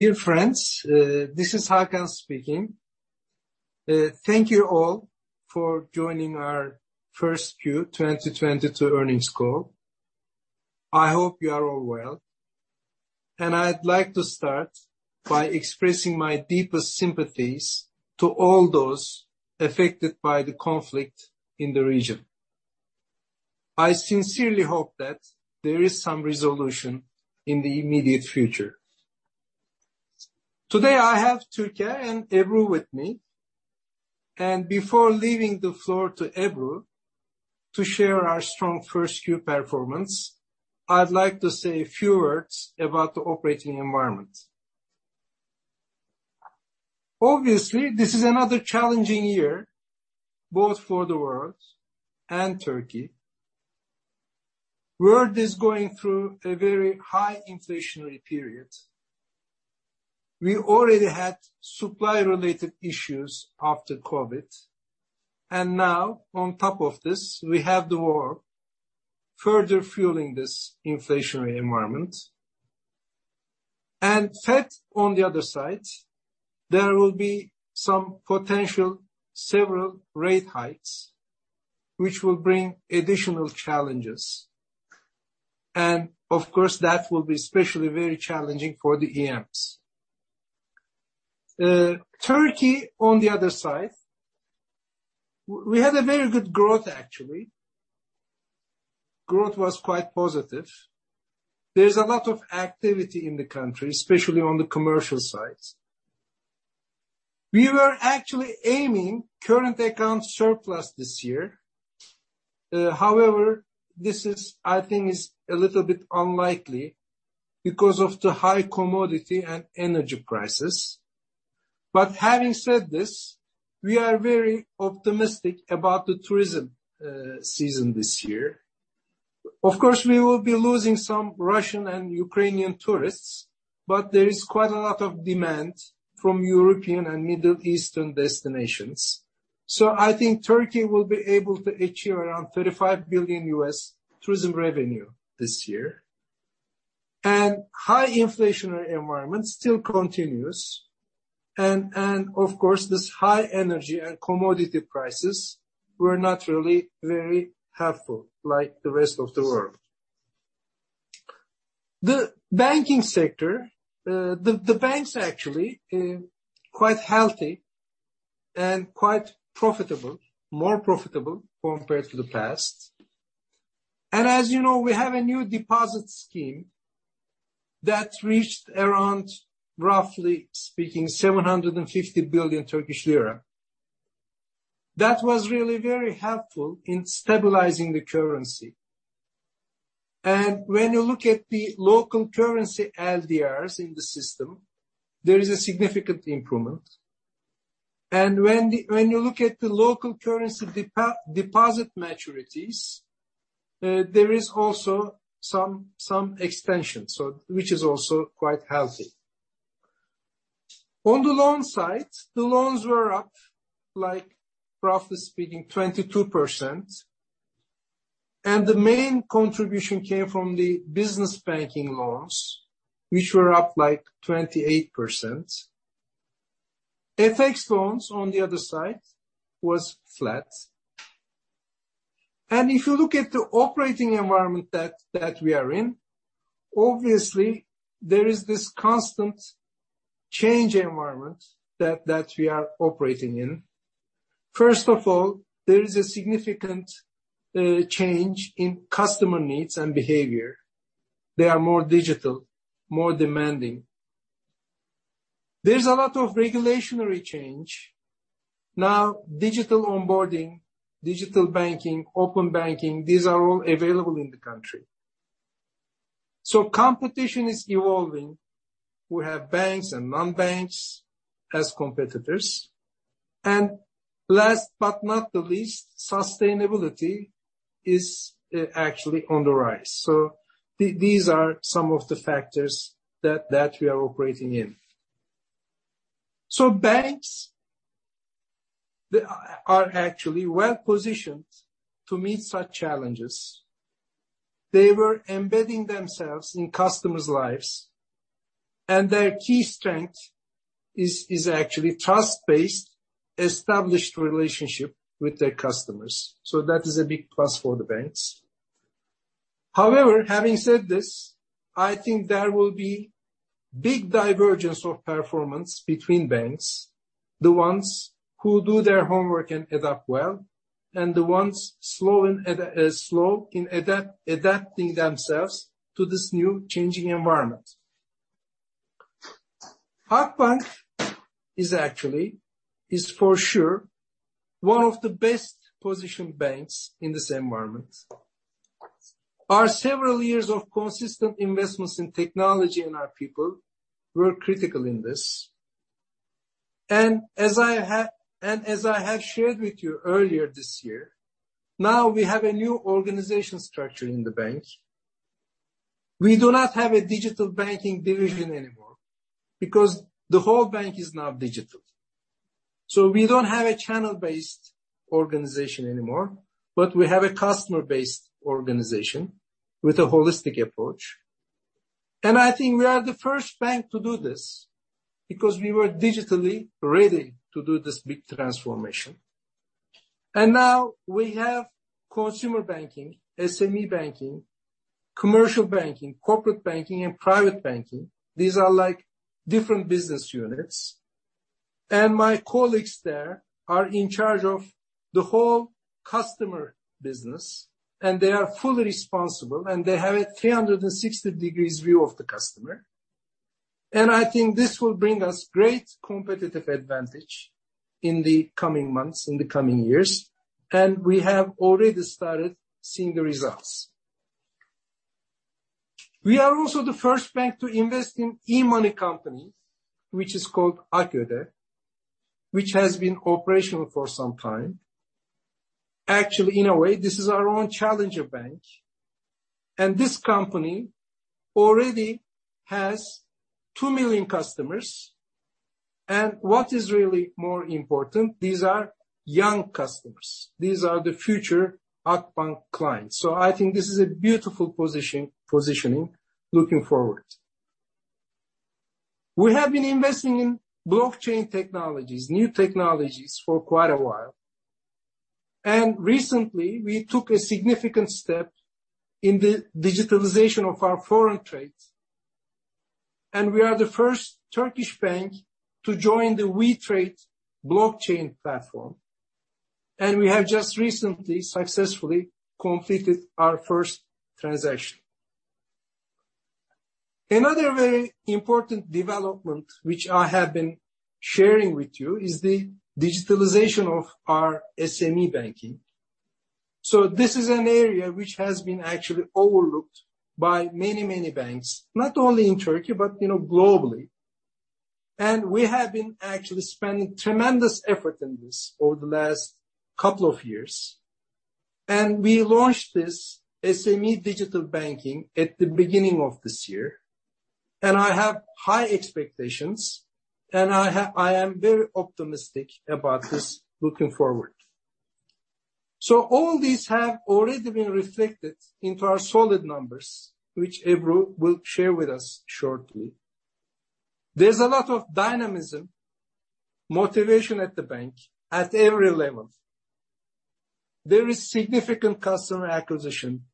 Dear friends, this is Hakan speaking. Thank you all for joining our Q1 2022 earnings call. I hope you are all well. I'd like to start by expressing my deepest sympathies to all those affected by the conflict in the region. I sincerely hope that there is some resolution in the immediate future. Today, I have Türker and Ebru with me. Before leaving the floor to Ebru to share our strong Q1 performance, I'd like to say a few words about the operating environment. Obviously, this is another challenging year, both for the world and Turkey. World is going through a very high inflationary period. We already had supply-related issues after COVID, and now on top of this, we have the war further fueling this inflationary environment. Fed, on the other side, there will be some potential several rate hikes, which will bring additional challenges. Of course, that will be especially very challenging for the EMs. Turkey, on the other side, we had a very good growth, actually. Growth was quite positive. There's a lot of activity in the country, especially on the commercial side. We were actually aiming current account surplus this year. However, this is I think a little bit unlikely because of the high commodity and energy prices. Having said this, we are very optimistic about the tourism season this year. Of course, we will be losing some Russian and Ukrainian tourists, but there is quite a lot of demand from European and Middle Eastern destinations. I think Turkey will be able to achieve around $35 billion tourism revenue this year. High inflationary environment still continues, and of course, this high energy and commodity prices were not really very helpful like the rest of the world. The banking sector, the banks actually quite healthy and quite profitable, more profitable compared to the past. As you know, we have a new deposit scheme that reached around, roughly speaking, 750 billion Turkish lira. That was really very helpful in stabilizing the currency. When you look at the local currency LDRs in the system, there is a significant improvement. When you look at the local currency deposit maturities, there is also some extension, so which is also quite healthy. On the loan side, the loans were up, like, roughly speaking, 22%. The main contribution came from the business banking loans, which were up, like, 28%. FX loans, on the other side, was flat. If you look at the operating environment that we are in, obviously there is this constant change environment that we are operating in. First of all, there is a significant change in customer needs and behavior. They are more digital, more demanding. There's a lot of regulatory change. Now, digital onboarding, digital banking, open banking, these are all available in the country. Competition is evolving. We have banks and non-banks as competitors. Last but not the least, sustainability is actually on the rise. These are some of the factors that we are operating in. Banks are actually well-positioned to meet such challenges. They were embedding themselves in customers' lives, and their key strength is actually trust-based, established relationship with their customers. That is a big plus for the banks. However, having said this, I think there will be big divergence of performance between banks, the ones who do their homework and adapt well, and the ones slow in adapting themselves to this new changing environment. Akbank is actually for sure one of the best-positioned banks in this environment. Our several years of consistent investments in technology and our people were critical in this. As I have shared with you earlier this year, now we have a new organization structure in the bank. We do not have a digital banking division anymore because the whole bank is now digital. We don't have a channel-based organization anymore, but we have a customer-based organization with a holistic approach. I think we are the first bank to do this because we were digitally ready to do this big transformation. Now we have consumer banking, SME banking, commercial banking, corporate banking, and private banking. These are like different business units. My colleagues there are in charge of the whole customer business, and they are fully responsible, and they have a 360-degree view of the customer. I think this will bring us great competitive advantage in the coming months, in the coming years. We have already started seeing the results. We are also the first bank to invest in e-money company, which is called AKÖde, which has been operational for some time. Actually, in a way, this is our own challenger bank. This company already has 2 million customers. What is really more important, these are young customers. These are the future Akbank clients. I think this is a beautiful positioning looking forward. We have been investing in blockchain technologies, new technologies for quite a while. Recently, we took a significant step in the digitalization of our foreign trades, and we are the first Turkish bank to join the we.trade blockchain platform. We have just recently successfully completed our first transaction. Another very important development which I have been sharing with you is the digitalization of our SME banking. This is an area which has been actually overlooked by many, many banks, not only in Turkey, but, you know, globally. We have been actually spending tremendous effort in this over the last couple of years. We launched this SME digital banking at the beginning of this year. I have high expectations, and I am very optimistic about this looking forward. All these have already been reflected into our solid numbers, which Ebru will share with us shortly. There's a lot of dynamism, motivation at the bank at every level. There is significant customer acquisition.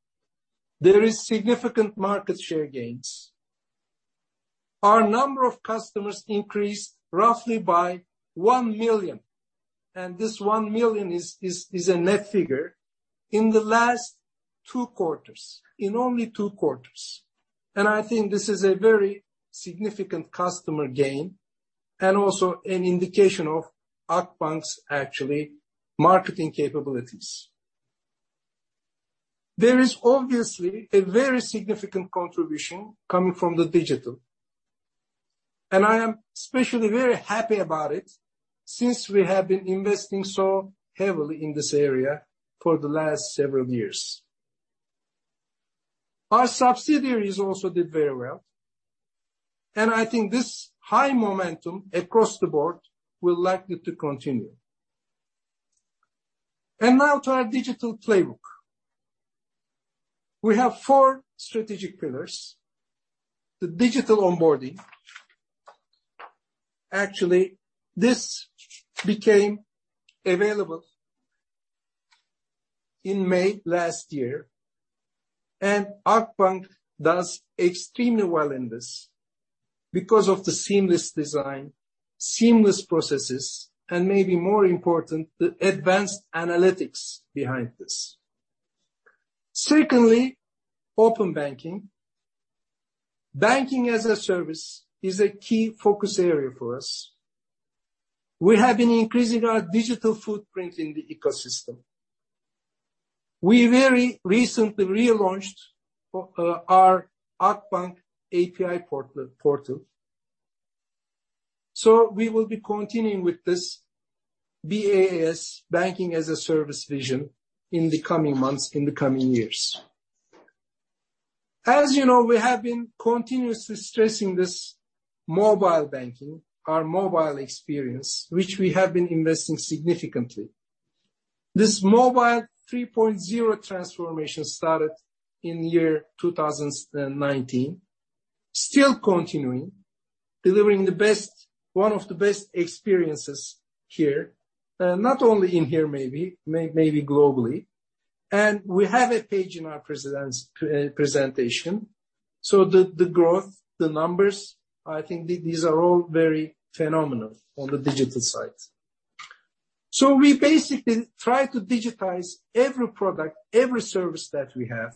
There is significant market share gains. Our number of customers increased roughly by 1 million, and this 1 million is a net figure, in the last two quarters, in only two quarters. I think this is a very significant customer gain and also an indication of Akbank's actually marketing capabilities. There is obviously a very significant contribution coming from the digital, and I am especially very happy about it since we have been investing so heavily in this area for the last several years. Our subsidiaries also did very well, and I think this high momentum across the board will likely to continue. Now to our digital playbook. We have four strategic pillars. The digital onboarding. Actually, this became available in May last year, and Akbank does extremely well in this because of the seamless design, seamless processes, and maybe more important, the advanced analytics behind this. Secondly, open banking. Banking-as-a-Service is a key focus area for us. We have been increasing our digital footprint in the ecosystem. We very recently relaunched our Akbank API Portal, so we will be continuing with this BaaS, banking-as-a-Service vision, in the coming months, in the coming years. As you know, we have been continuously stressing this mobile banking, our mobile experience, which we have been investing significantly. This Mobile 3.0 transformation started in 2019, still continuing, delivering one of the best experiences here. Not only in here, maybe globally. We have a page in our presentation. The growth, the numbers, I think these are all very phenomenal on the digital side. We basically try to digitize every product, every service that we have.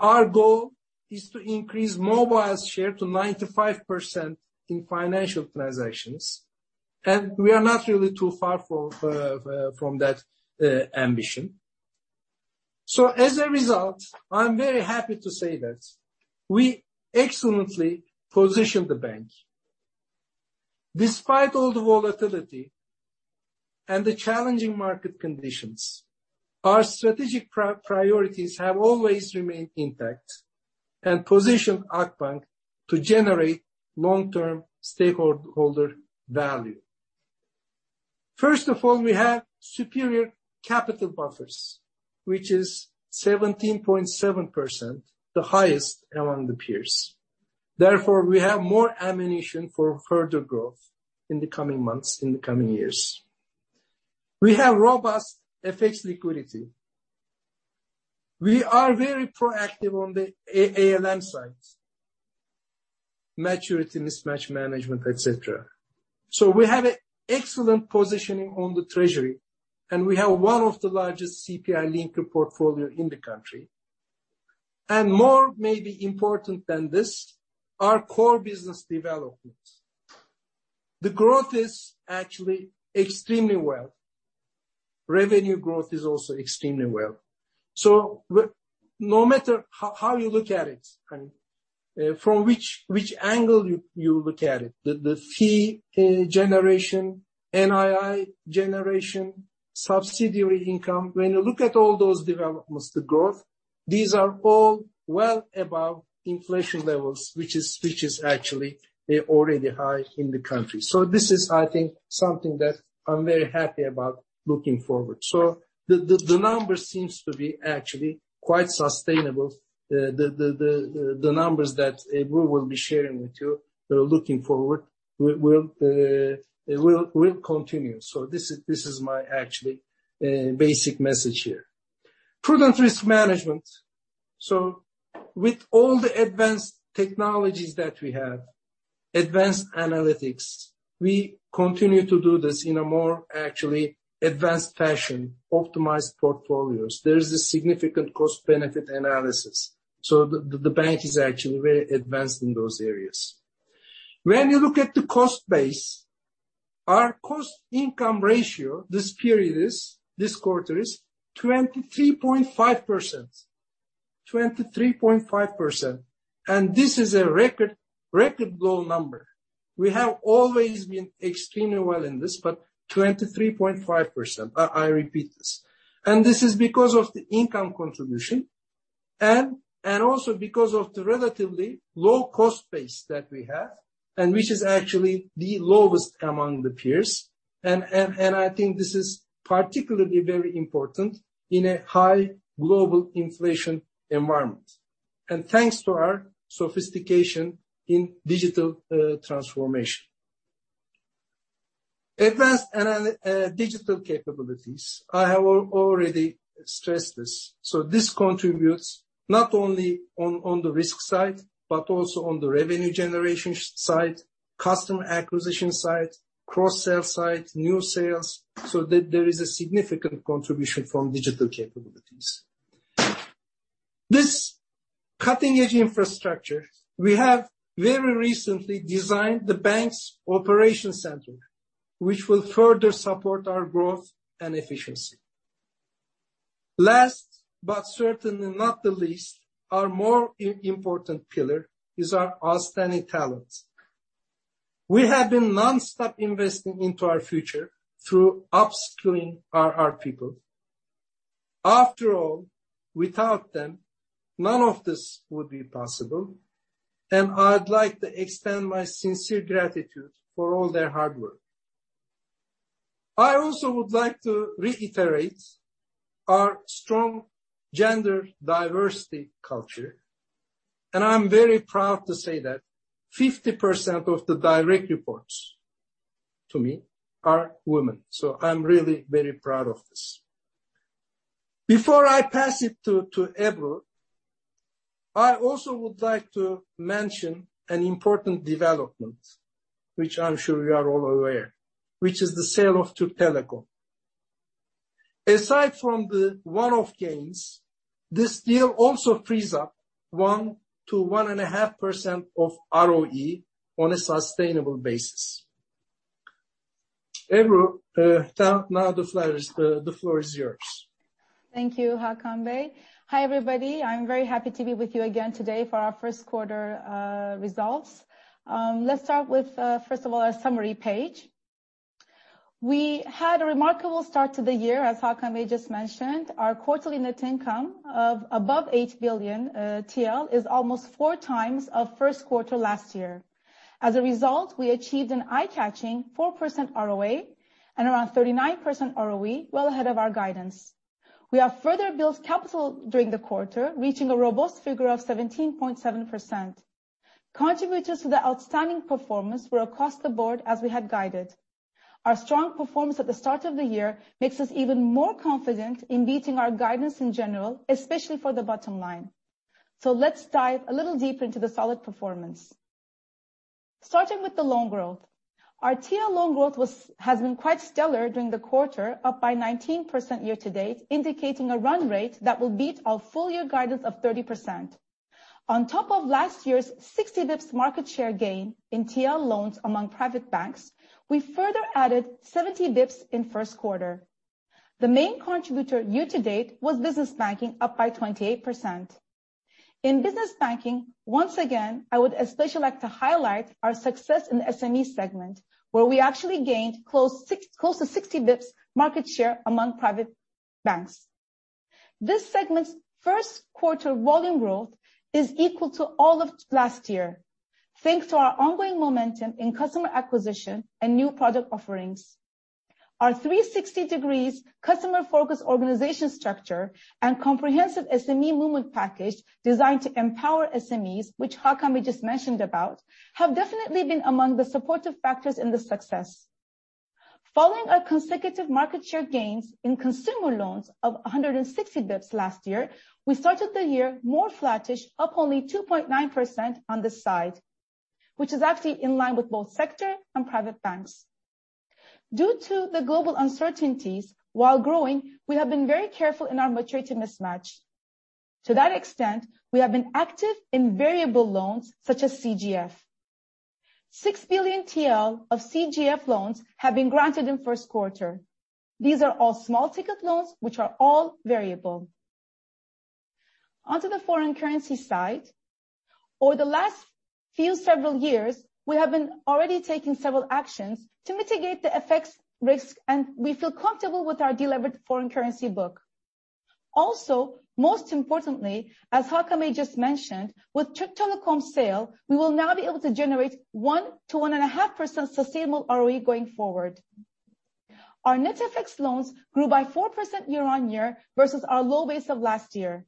Our goal is to increase mobile's share to 95% in financial transactions, and we are not really too far from that ambition. As a result, I'm very happy to say that we excellently positioned the bank. Despite all the volatility and the challenging market conditions. Our strategic priorities have always remained intact and positioned Akbank to generate long-term stakeholder value. First of all, we have superior capital buffers, which is 17.7%, the highest among the peers. Therefore, we have more ammunition for further growth in the coming months, in the coming years. We have robust FX liquidity. We are very proactive on the ALM side, maturity mismatch management, etc. We have an excellent positioning on the Treasury, and we have one of the largest CPI-linked portfolio in the country. More maybe important than this, our core business developments. The growth is actually extremely well. Revenue growth is also extremely well. No matter how you look at it, and from which angle you look at it, the fee generation, NII generation, subsidiary income, when you look at all those developments, the growth, these are all well above inflation levels, which is actually, they're already high in the country. This is, I think, something that I'm very happy about looking forward. The numbers that Ebru will be sharing with you, looking forward will continue. This is my actually basic message here. Prudent risk management. With all the advanced technologies that we have, advanced analytics, we continue to do this in a more actually advanced fashion, optimized portfolios. There is a significant cost-benefit analysis. The bank is actually very advanced in those areas. When you look at the cost base, our cost income ratio this period, this quarter is 23.5%, and this is a record low number. We have always been extremely well in this, but 23.5%, I repeat this. This is because of the income contribution and also because of the relatively low cost base that we have, and which is actually the lowest among the peers. I think this is particularly very important in a high global inflation environment. Thanks to our sophistication in digital transformation. Advanced digital capabilities. I have already stressed this. This contributes not only on the risk side, but also on the revenue generation side, customer acquisition side, cross-sell side, new sales. There is a significant contribution from digital capabilities. This cutting-edge infrastructure, we have very recently designed the bank's operation center, which will further support our growth and efficiency. Last, but certainly not the least, our more important pillar is our outstanding talents. We have been nonstop investing into our future through upskilling our people. After all, without them, none of this would be possible, and I'd like to extend my sincere gratitude for all their hard work. I also would like to reiterate our strong gender diversity culture, and I'm very proud to say that 50% of the direct reports to me are women. I'm really very proud of this. Before I pass it to Ebru, I also would like to mention an important development, which I'm sure you are all aware, which is the sale of Türk Telekom. Aside from the one-off gains, this deal also frees up 1%-1.5% of ROE on a sustainable basis. Ebru, now the floor is yours. Thank you, Hakan Bey. Hi, everybody. I'm very happy to be with you again today for our first quarter results. Let's start with first of all, a summary page. We had a remarkable start to the year, as Hakan Bey just mentioned. Our quarterly net income of above 8 billion TL is almost 4x of first quarter last year. As a result, we achieved an eye-catching 4% ROA and around 39% ROE, well ahead of our guidance. We have further built capital during the quarter, reaching a robust figure of 17.7%. Contributors to the outstanding performance were across the board as we had guided. Our strong performance at the start of the year makes us even more confident in beating our guidance in general, especially for the bottom line. Let's dive a little deeper into the solid performance. Starting with the loan growth. Our TL loan growth has been quite stellar during the quarter, up by 19% year to date, indicating a run rate that will beat our full year guidance of 30%. On top of last year's 60 basis points market share gain in TL loans among private banks, we further added 70 basis points in first quarter. The main contributor year to date was business banking, up by 28%. In business banking, once again, I would especially like to highlight our success in the SME segment, where we actually gained close to 60 basis points market share among private banks. This segment's first quarter volume growth is equal to all of last year. Thanks to our ongoing momentum in customer acquisition and new product offerings. Our 360-degree customer focus organizational structure and comprehensive SME movement package designed to empower SMEs, which Hakan bey just mentioned about, have definitely been among the supportive factors in this success. Following our consecutive market share gains in consumer loans of 160 BPS last year, we started the year more flattish, up only 2.9% on this side, which is actually in line with both sector and private banks. Due to the global uncertainties while growing, we have been very careful in our maturity mismatch. To that extent, we have been active in variable loans such as CGF. 6 billion TL of CGF loans have been granted in first quarter. These are all small ticket loans which are all variable. Onto the foreign currency side. Over the last several years, we have been already taking several actions to mitigate the FX risk, and we feel comfortable with our delivered foreign currency book. Also, most importantly, as Hakan just mentioned, with Türk Telekom sale, we will now be able to generate 1%-1.5% sustainable ROE going forward. Our net FX loans grew by 4% year-on-year versus our low base of last year.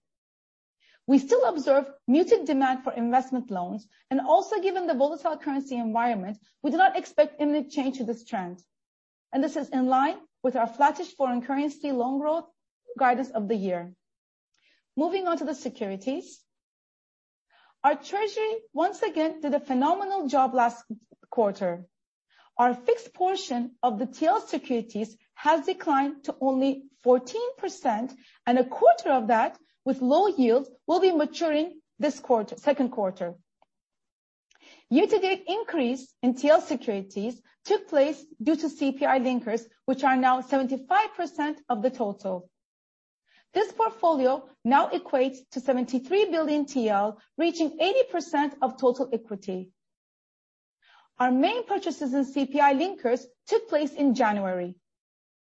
We still observe muted demand for investment loans and also given the volatile currency environment, we do not expect any change to this trend. This is in line with our flattish foreign currency loan growth guidance of the year. Moving on to the securities. Our treasury once again did a phenomenal job last quarter. Our fixed portion of the TL securities has declined to only 14% and a quarter of that with low yields will be maturing this quarter, second quarter. Year-to-date increase in TL securities took place due to CPI linkers, which are now 75% of the total. This portfolio now equates to 73 billion TL, reaching 80% of total equity. Our main purchases in CPI linkers took place in January,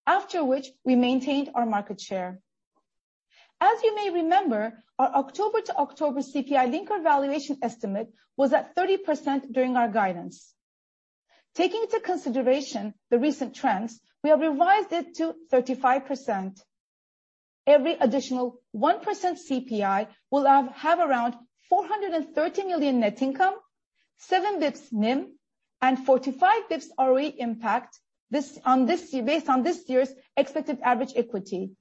after which we maintained our market share. As you may remember, our October to October CPI linker valuation estimate was at 30% during our guidance. Taking into consideration the recent trends, we have revised it to 35%. Every additional 1% CPI will have around 430 million net income, 7 BPS NIM and 45 BPS ROE impact on this year based on this year's expected average equity.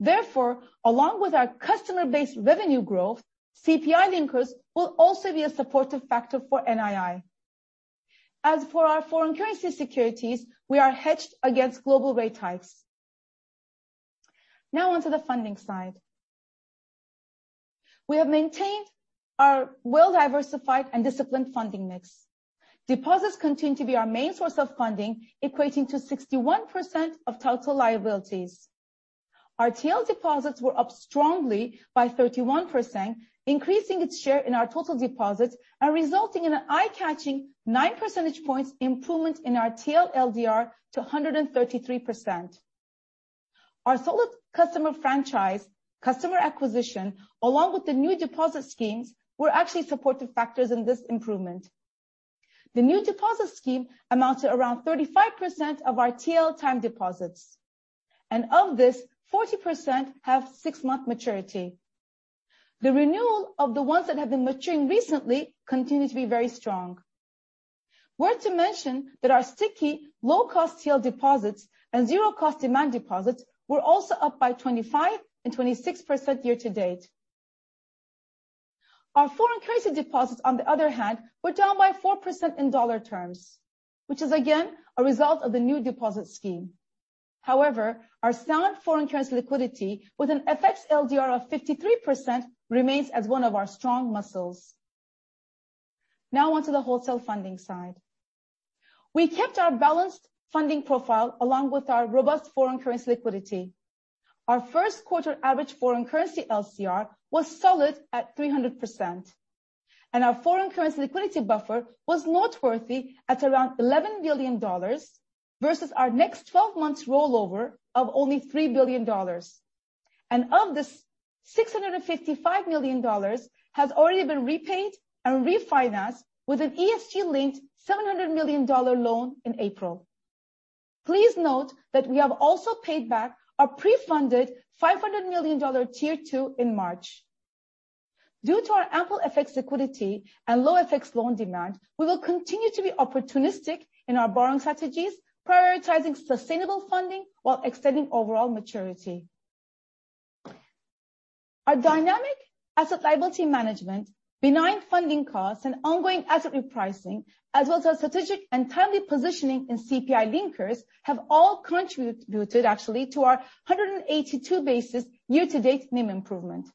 Therefore, along with our customer base revenue growth, CPI linkers will also be a supportive factor for NII. As for our foreign currency securities, we are hedged against global rate hikes. Now on to the funding side. We have maintained our well-diversified and disciplined funding mix. Deposits continue to be our main source of funding, equating to 61% of total liabilities. Our TL deposits were up strongly by 31%, increasing its share in our total deposits and resulting in an eye-catching nine percentage points improvement in our TL LDR to 133%. Our solid customer franchise, customer acquisition, along with the new deposit schemes, were actually supportive factors in this improvement. The new deposit scheme amounts to around 35% of our TL time deposits, and of this, 40% have six-month maturity. The renewal of the ones that have been maturing recently continues to be very strong. Worth mentioning that our sticky low-cost TL deposits and zero cost demand deposits were also up by 25% and 26% year to date. Our foreign currency deposits, on the other hand, were down by 4% in dollar terms, which is again a result of the new deposit scheme. However, our sound foreign currency liquidity with an FX LDR of 53% remains as one of our strong muscles. Now on to the wholesale funding side. We kept our balanced funding profile along with our robust foreign currency liquidity. Our first quarter average foreign currency LCR was solid at 300%, and our foreign currency liquidity buffer was noteworthy at around $11 billion versus our next 12 months rollover of only $3 billion. Of this, $655 million has already been repaid and refinanced with an ESG-linked $700 million loan in April. Please note that we have also paid back our pre-funded $500 million Tier two in March. Due to our ample FX liquidity and low FX loan demand, we will continue to be opportunistic in our borrowing strategies, prioritizing sustainable funding while extending overall maturity. Our dynamic asset liability management, benign funding costs and ongoing asset repricing, as well as our strategic and timely positioning in CPI linkers have all contributed actually to our 182 basis points year-to-date NIM improvement.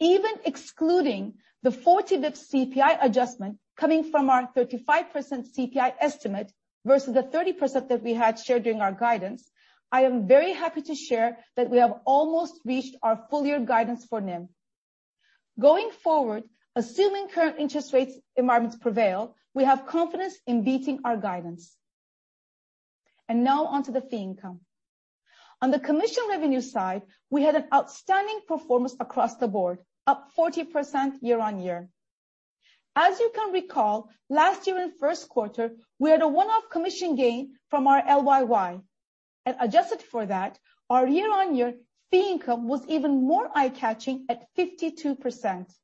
Even excluding the 40 bps CPI adjustment coming from our 35% CPI estimate versus the 30% that we had shared during our guidance, I am very happy to share that we have almost reached our full year guidance for NIM. Going forward, assuming current interest rates environments prevail, we have confidence in beating our guidance. Now on to the fee income. On the commission revenue side, we had an outstanding performance across the board, up 40% year-on-year. As you can recall, last year in first quarter, we had a one-off commission gain from our LYY. Adjusted for that, our year-on-year fee income was even more eye-catching at 52%.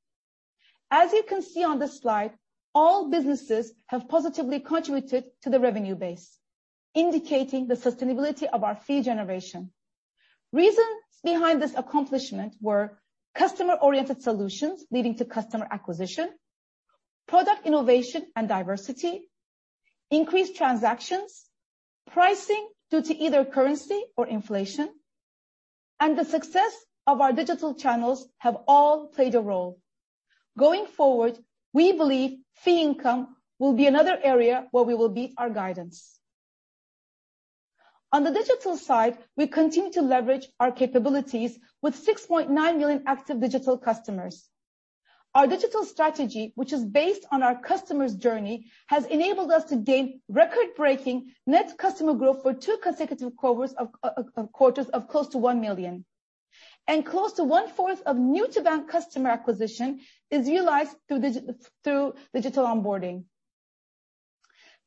As you can see on the slide, all businesses have positively contributed to the revenue base, indicating the sustainability of our fee generation. Reasons behind this accomplishment were customer-oriented solutions leading to customer acquisition, product innovation and diversity, increased transactions, pricing due to either currency or inflation, and the success of our digital channels have all played a role. Going forward, we believe fee income will be another area where we will beat our guidance. On the digital side, we continue to leverage our capabilities with 6.9 million active digital customers. Our digital strategy, which is based on our customer's journey, has enabled us to gain record-breaking net customer growth for two consecutive quarters of close to 1 million. Close to 1/4 of new to bank customer acquisition is realized through digital onboarding.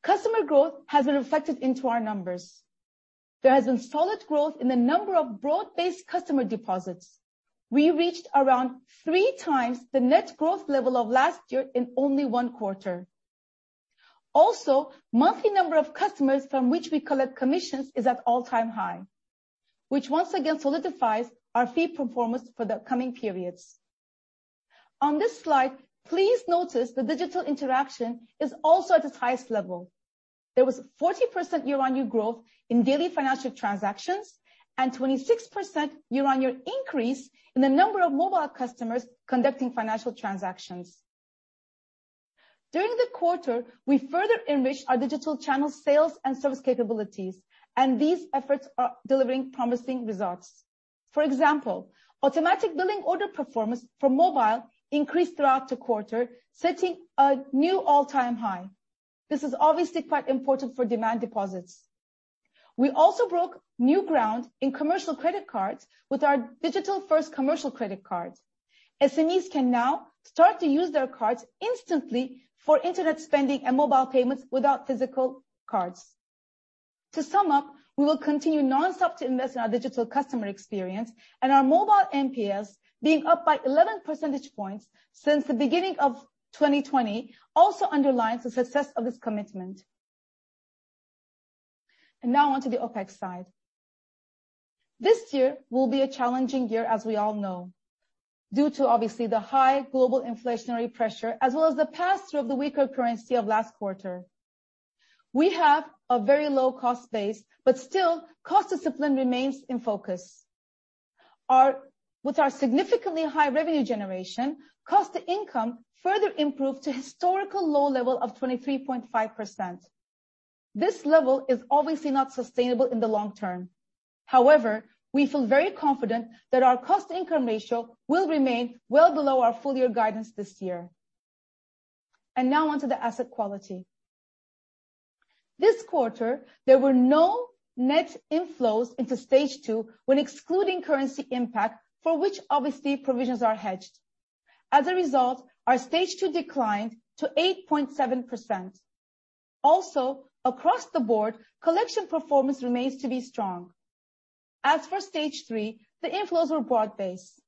Customer growth has been reflected into our numbers. There has been solid growth in the number of broad-based customer deposits. We reached around three times the net growth level of last year in only one quarter. Also, monthly number of customers from which we collect commissions is at all-time high, which once again solidifies our fee performance for the coming periods. On this slide, please notice the digital interaction is also at its highest level. There was 40% year-on-year growth in daily financial transactions and 26% year-on-year increase in the number of mobile customers conducting financial transactions. During the quarter, we further enriched our digital channel sales and service capabilities, and these efforts are delivering promising results. For example, automatic billing order performance from mobile increased throughout the quarter, setting a new all-time high. This is obviously quite important for demand deposits. We also broke new ground in commercial credit cards with our digital-first commercial credit cards. SMEs can now start to use their cards instantly for internet spending and mobile payments without physical cards. To sum up, we will continue non-stop to invest in our digital customer experience, and our mobile NPS being up by 11 percentage points since the beginning of 2020 also underlines the success of this commitment. Now on to the OpEx side. This year will be a challenging year, as we all know, due to obviously the high global inflationary pressure, as well as the pass-through of the weaker currency of last quarter. We have a very low cost base, but still cost discipline remains in focus. With our significantly high revenue generation, cost to income further improved to historical low level of 23.5%. This level is obviously not sustainable in the long term. However, we feel very confident that our cost income ratio will remain well below our full year guidance this year. Now on to the asset quality. This quarter, there were no net inflows into stage two when excluding currency impact, for which obviously provisions are hedged. As a result, our stage two declined to 8.7%. Also, across the board, collection performance remains to be strong. As for stage three, the inflows were broad-based.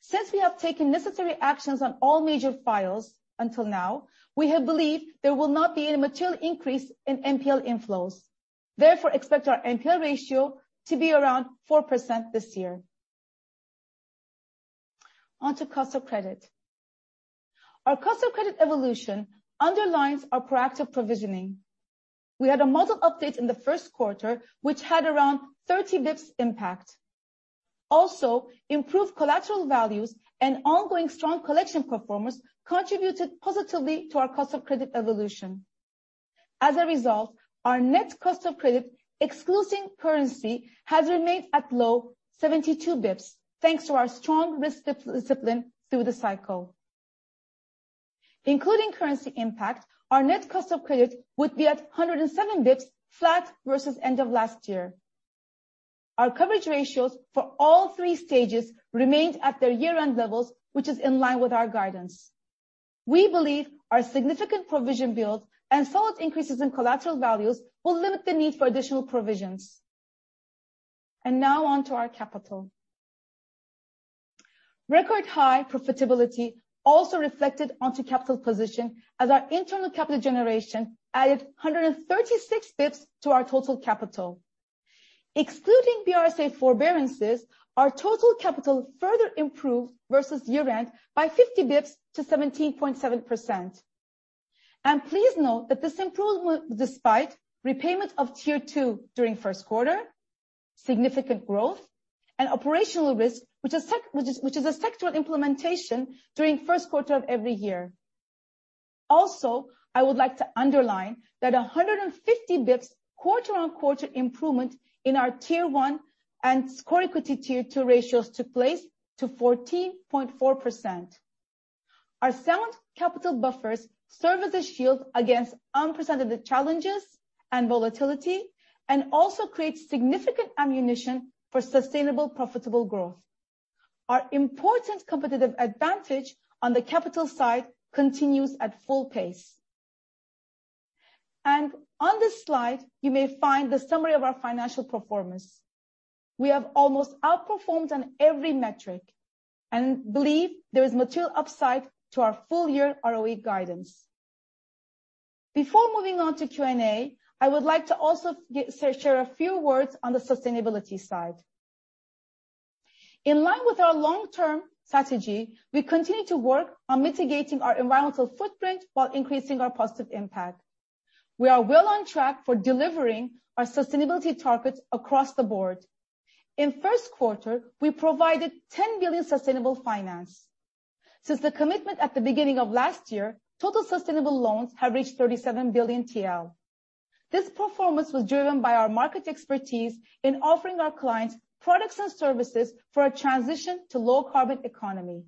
Since we have taken necessary actions on all major files until now, we believe there will not be any material increase in NPL inflows, therefore expect our NPL ratio to be around 4% this year. On to cost of credit. Our cost of credit evolution underlines our proactive provisioning. We had a model update in the first quarter, which had around 30 basis points impact. Also, improved collateral values and ongoing strong collection performance contributed positively to our cost of credit evolution. As a result, our net cost of credit, excluding currency, has remained at low 72 basis points, thanks to our strong risk discipline through the cycle. Including currency impact, our net cost of credit would be at 107 basis points flat versus end of last year. Our coverage ratios for all three stages remained at their year-end levels, which is in line with our guidance. We believe our significant provision build and solid increases in collateral values will limit the need for additional provisions. Now on to our capital. Record high profitability also reflected onto capital position as our internal capital generation added 136 basis points to our total capital. Excluding BRSA forbearances, our total capital further improved versus year-end by 50 basis points to 17.7%. Please note that this improvement was despite repayment of Tier two during first quarter, significant growth and operational risk, which is a sectoral implementation during first quarter of every year. Also, I would like to underline that 150 basis points quarter-on-quarter improvement in our Tier one and core equity Tier one ratios took place to 14.4%. Our sound capital buffers serve as a shield against unprecedented challenges and volatility, and also creates significant ammunition for sustainable profitable growth. Our important competitive advantage on the capital side continues at full pace. On this slide, you may find the summary of our financial performance. We have almost outperformed on every metric and believe there is material upside to our full year ROE guidance. Before moving on to Q&A, I would like to also share a few words on the sustainability side. In line with our long-term strategy, we continue to work on mitigating our environmental footprint while increasing our positive impact. We are well on track for delivering our sustainability targets across the board. In first quarter, we provided 10 billion sustainable finance. Since the commitment at the beginning of last year, total sustainable loans have reached 37 billion TL. This performance was driven by our market expertise in offering our clients products and services for a transition to low carbon economy.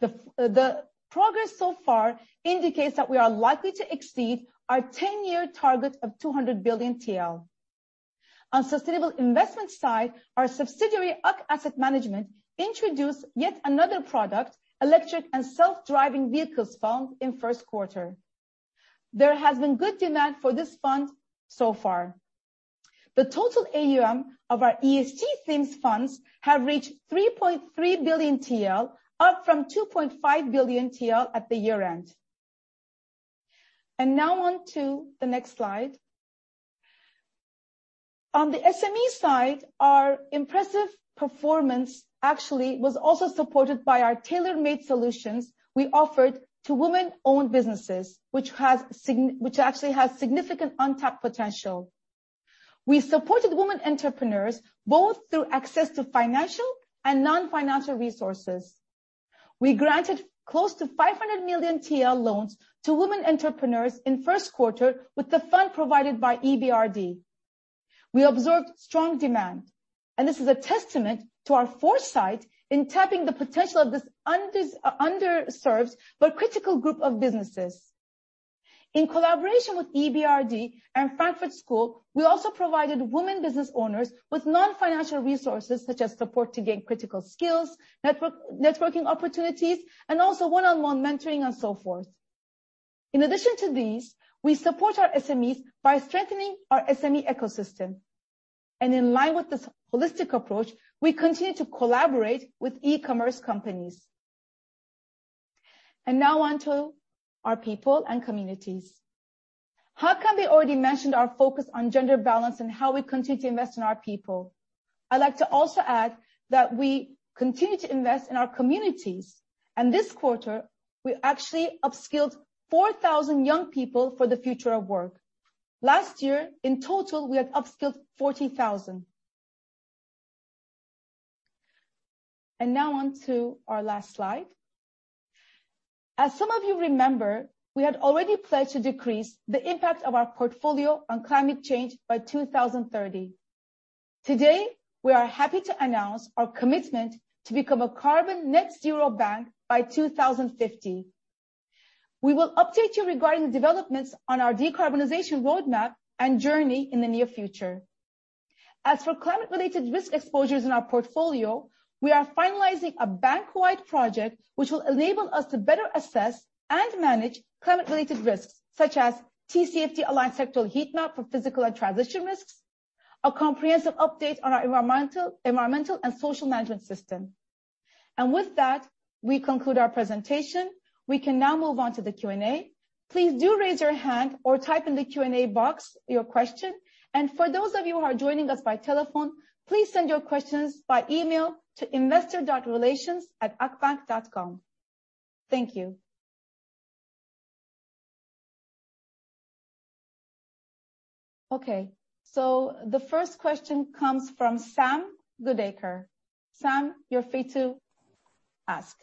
The progress so far indicates that we are likely to exceed our 10-year target of 200 billion TL. On sustainable investment side, our subsidiary, Ak Asset Management, introduced yet another product, electric and self-driving vehicles fund, in first quarter. There has been good demand for this fund so far. The total AUM of our ESG themes funds have reached 3.3 billion TL, up from 2.5 billion TL at the year-end. Now on to the next slide. On the SME side, our impressive performance actually was also supported by our tailor-made solutions we offered to women-owned businesses, which actually has significant untapped potential. We supported women entrepreneurs both through access to financial and non-financial resources. We granted close to 500 million TL loans to women entrepreneurs in first quarter with the fund provided by EBRD. We observed strong demand, and this is a testament to our foresight in tapping the potential of this underserved but critical group of businesses. In collaboration with EBRD and Frankfurt School, we also provided women business owners with non-financial resources such as support to gain critical skills, networking opportunities, and also one-on-one mentoring and so forth. In addition to these, we support our SMEs by strengthening our SME ecosystem. In line with this holistic approach, we continue to collaborate with e-commerce companies. Now on to our people and communities. Hakan already mentioned our focus on gender balance and how we continue to invest in our people. I'd like to also add that we continue to invest in our communities, and this quarter we actually upskilled 4,000 young people for the future of work. Last year, in total, we had upskilled 40,000. Now on to our last slide. As some of you remember, we had already pledged to decrease the impact of our portfolio on climate change by 2030. Today, we are happy to announce our commitment to become a carbon net zero bank by 2050. We will update you regarding the developments on our decarbonization roadmap and journey in the near future. As for climate-related risk exposures in our portfolio, we are finalizing a bank-wide project which will enable us to better assess and manage climate-related risks, such as TCFD-aligned sectoral heat map for physical and transition risks, a comprehensive update on our environmental and social management system. With that, we conclude our presentation. We can now move on to the Q&A. Please do raise your hand or type in the Q&A box your question. For those of you who are joining us by telephone, please send your questions by email to investor.relations@akbank.com. Thank you. Okay, the first question comes from Sam Goodacre. Sam, you're free to ask.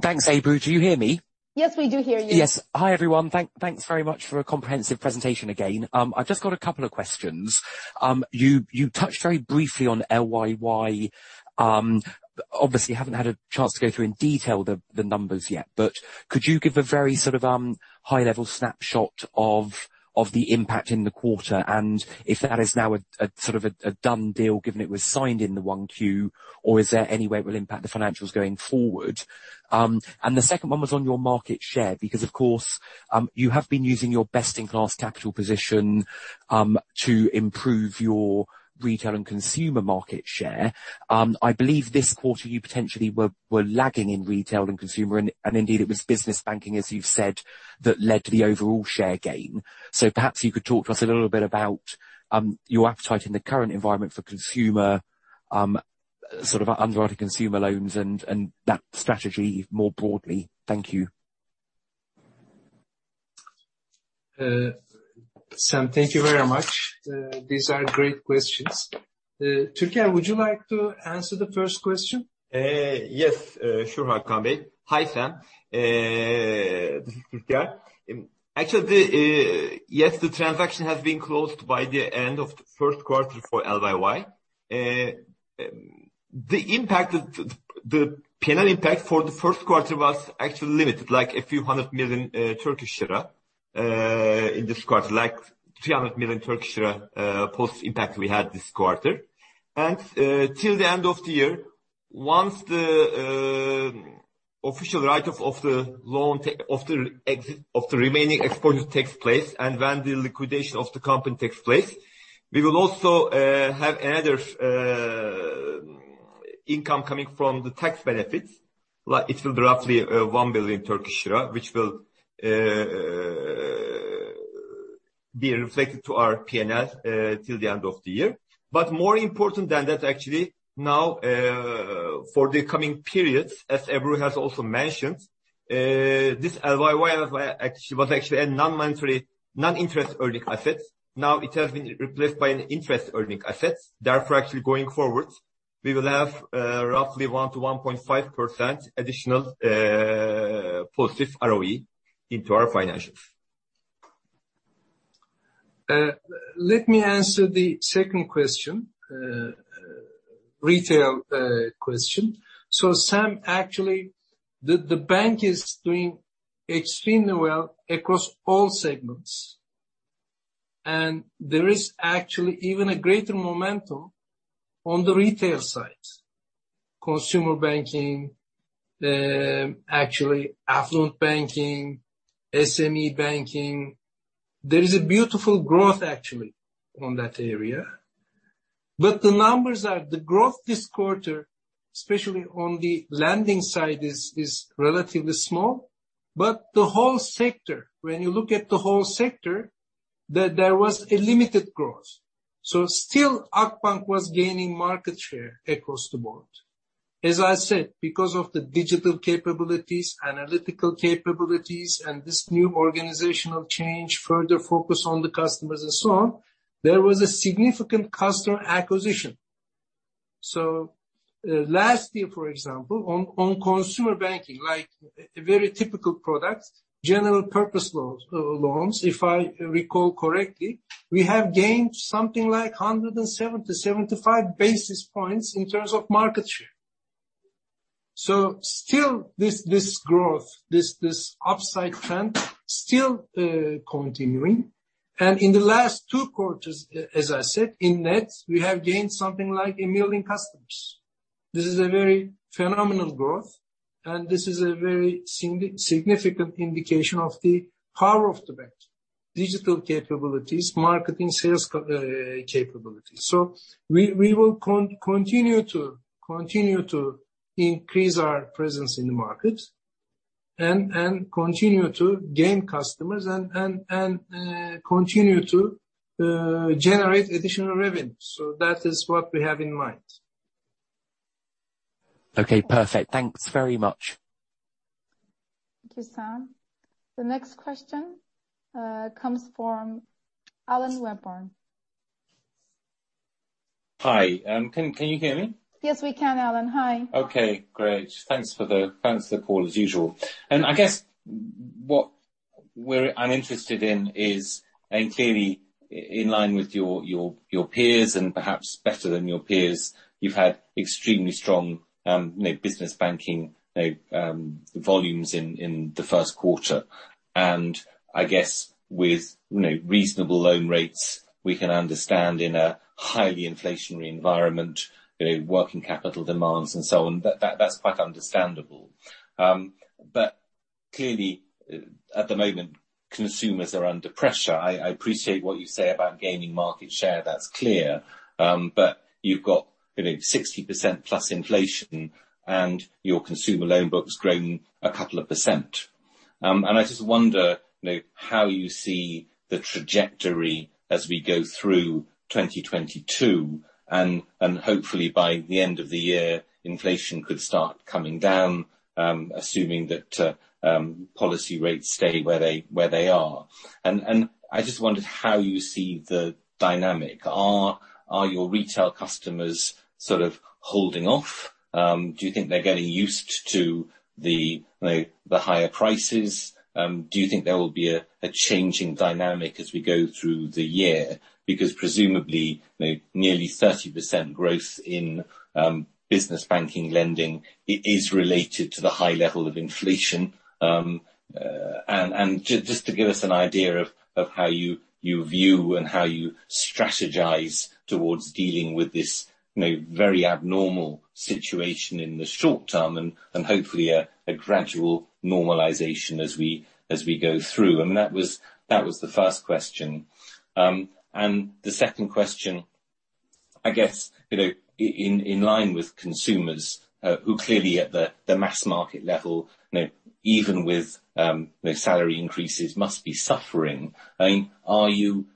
Thanks, Ebru. Do you hear me? Yes, we do hear you. Yes. Hi, everyone. Thanks very much for a comprehensive presentation again. I've just got a couple of questions. You touched very briefly on LYY. Obviously haven't had a chance to go through in detail the numbers yet. Could you give a very sort of high-level snapshot of the impact in the quarter? If that is now a sort of a done deal, given it was signed in the 1Q, or is there any way it will impact the financials going forward? The second one was on your market share, because of course you have been using your best-in-class capital position to improve your retail and consumer market share. I believe this quarter you potentially were lagging in retail and consumer and indeed it was business banking, as you've said, that led to the overall share gain. Perhaps you could talk to us a little bit about your appetite in the current environment for consumer sort of underwriting consumer loans and that strategy more broadly. Thank you. Sam, thank you very much. These are great questions. Türker, would you like to answer the first question? Yes, sure, Hakan Bey. Hi, Sam. This is Türker. Actually, yes, the transaction has been closed by the end of the first quarter for LYY. The P&L impact for the first quarter was actually limited, like a few hundred million TRY in this quarter, like 300 million Turkish lira post-impact we had this quarter. Till the end of the year, once the official write-off of the loan. Of the exit, of the remaining exposure takes place, and when the liquidation of the company takes place, we will also have another income coming from the tax benefits. Like it will be roughly 1 billion Turkish lira, which will be reflected to our P&L till the end of the year. More important than that, actually, now, for the coming periods, as Ebru has also mentioned, this LYY was actually a non-monetary, non-interest-earning assets. Now it has been replaced by an interest-earning assets. Therefore, actually, going forward, we will have roughly 1-1.5% additional positive ROE into our financials. Let me answer the second question. Retail question. Sam, actually, the bank is doing extremely well across all segments, and there is actually even a greater momentum on the retail side. Consumer banking, actually affluent banking, SME banking. There is a beautiful growth actually on that area. The numbers are, the growth this quarter, especially on the lending side, is relatively small. The whole sector, when you look at the whole sector, there was a limited growth. Still, Akbank was gaining market share across the board. As I said, because of the digital capabilities, analytical capabilities and this new organizational change, further focus on the customers and so on, there was a significant customer acquisition. Last year, for example, on consumer banking, like a very typical product, general purpose loans, if I recall correctly, we have gained something like 175 basis points in terms of market share. Still this growth, this upside trend still continuing. In the last two quarters, as I said, in net, we have gained something like 1 million customers. This is a very phenomenal growth, and this is a very significant indication of the power of the bank, digital capabilities, marketing, sales capabilities. We will continue to increase our presence in the market and continue to gain customers and continue to generate additional revenue. That is what we have in mind. Okay, perfect. Thanks very much. Thank you, Sam. The next question comes from Alan Webborn. Hi. Can you hear me? Yes, we can, Alan. Hi. Okay, great. Thanks for the call as usual. I guess I'm interested in is, and clearly in line with your peers and perhaps better than your peers, you've had extremely strong, you know, business banking, you know, volumes in the first quarter. I guess with, you know, reasonable loan rates, we can understand in a highly inflationary environment, you know, working capital demands and so on, that's quite understandable. Clearly at the moment, consumers are under pressure. I appreciate what you say about gaining market share. That's clear. You've got, you know, 60% plus inflation and your consumer loan book's growing a couple of %. I just wonder, you know, how you see the trajectory as we go through 2022 and hopefully by the end of the year, inflation could start coming down, assuming that policy rates stay where they are. I just wondered how you see the dynamic. Are your retail customers sort of holding off? Do you think they're getting used to the, you know, the higher prices? Do you think there will be a changing dynamic as we go through the year? Because presumably, you know, nearly 30% growth in business banking lending is related to the high level of inflation. Just to give us an idea of how you view and how you strategize towards dealing with this, you know, very abnormal situation in the short term and hopefully a gradual normalization as we go through. I mean, that was the first question. The second question I guess, you know, in line with consumers who clearly at the mass market level, you know, even with salary increases must be suffering. I mean, are you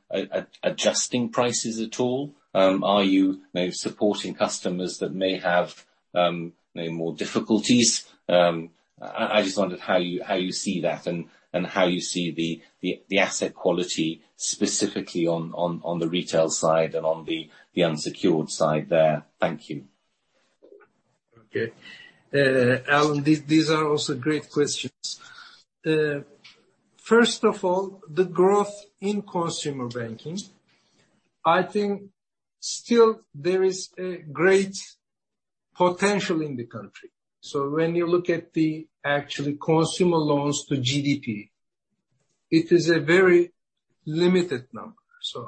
adjusting prices at all? Are you know, supporting customers that may have more difficulties? I just wondered how you see that and how you see the asset quality specifically on the retail side and on the unsecured side there. Thank you. Okay. Alan, these are also great questions. First of all, the growth in consumer banking, I think still there is a great potential in the country. When you look at the actually consumer loans to GDP, it is a very limited number.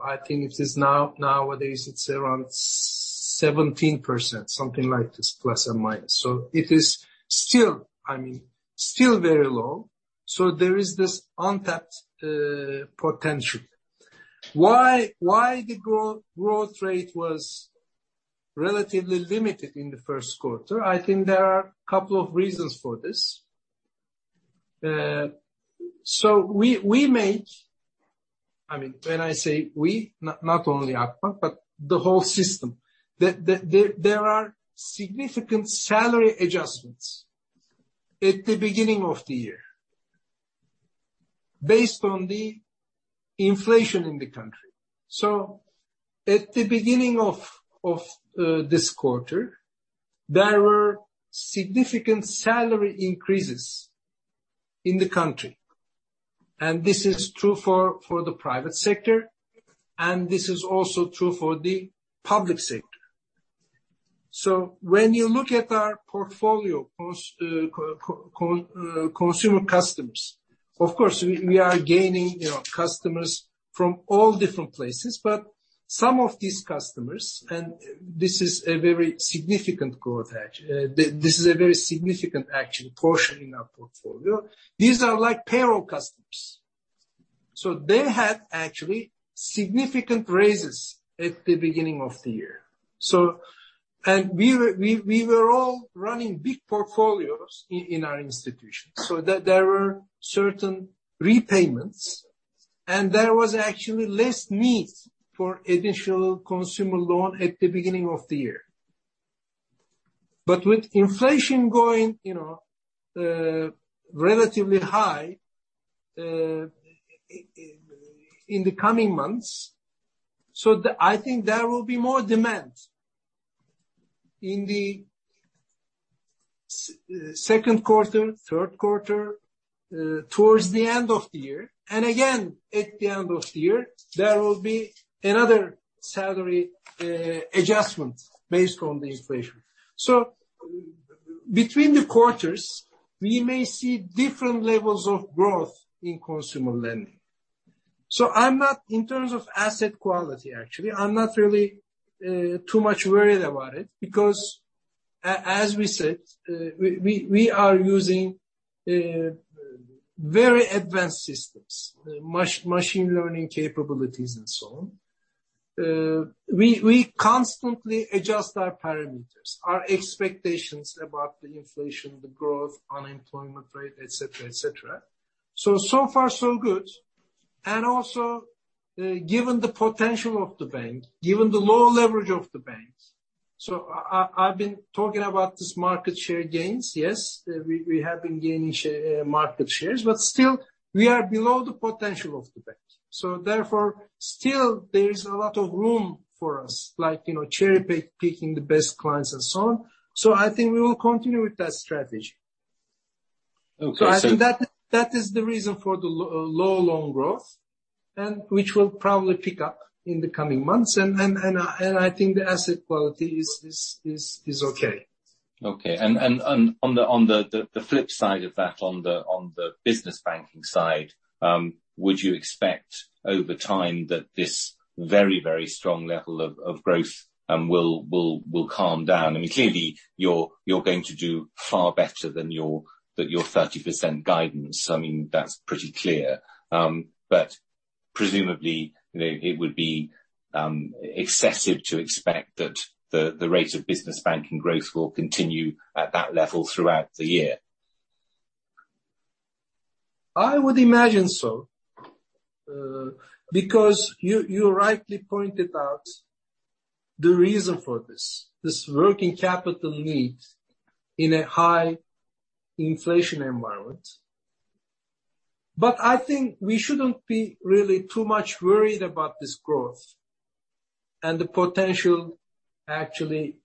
I think it is nowadays it's around 17%, something like this, plus or minus. It is still, I mean, still very low, so there is this untapped potential. Why the growth rate was relatively limited in the first quarter? I think there are a couple of reasons for this. We make. I mean, when I say we, not only Akbank, but the whole system. There are significant salary adjustments at the beginning of the year, based on the inflation in the country. At the beginning of this quarter, there were significant salary increases in the country. This is true for the private sector, and this is also true for the public sector. When you look at our portfolio post consumer customers. Of course, we are gaining, you know, customers from all different places, but some of these customers, and this is a very significant growth hack. This is a very significant actual portion in our portfolio. These are like payroll customers. They had actually significant raises at the beginning of the year. We were all running big portfolios in our institution, so that there were certain repayments, and there was actually less need for additional consumer loan at the beginning of the year. With inflation going, you know, relatively high in the coming months, I think there will be more demand in the second quarter, third quarter, towards the end of the year. Again, at the end of the year, there will be another salary adjustment based on the inflation. Between the quarters, we may see different levels of growth in consumer lending. I'm not, in terms of asset quality, actually, I'm not really too much worried about it because as we said, we are using very advanced systems, machine learning capabilities and so on. We constantly adjust our parameters, our expectations about the inflation, the growth, unemployment rate, et cetera. So far so good. Given the potential of the bank, given the low leverage of the banks. I've been talking about this market share gains. Yes, we have been gaining market shares, but still, we are below the potential of the bank. Therefore, still there is a lot of room for us, like, you know, cherry-picking the best clients and so on. I think we will continue with that strategy. Okay. I think that is the reason for the low loan growth, and which will probably pick up in the coming months. I think the asset quality is okay. Okay. On the flip side of that, on the business banking side, would you expect over time that this very, very strong level of growth will calm down? I mean, clearly, you're going to do far better than your 30% guidance. I mean, that's pretty clear. Presumably, you know, it would be excessive to expect that the rate of business banking growth will continue at that level throughout the year. I would imagine so. Because you rightly pointed out the reason for this working capital needs in a high inflation environment. I think we shouldn't be really too much worried about this growth and the potential actually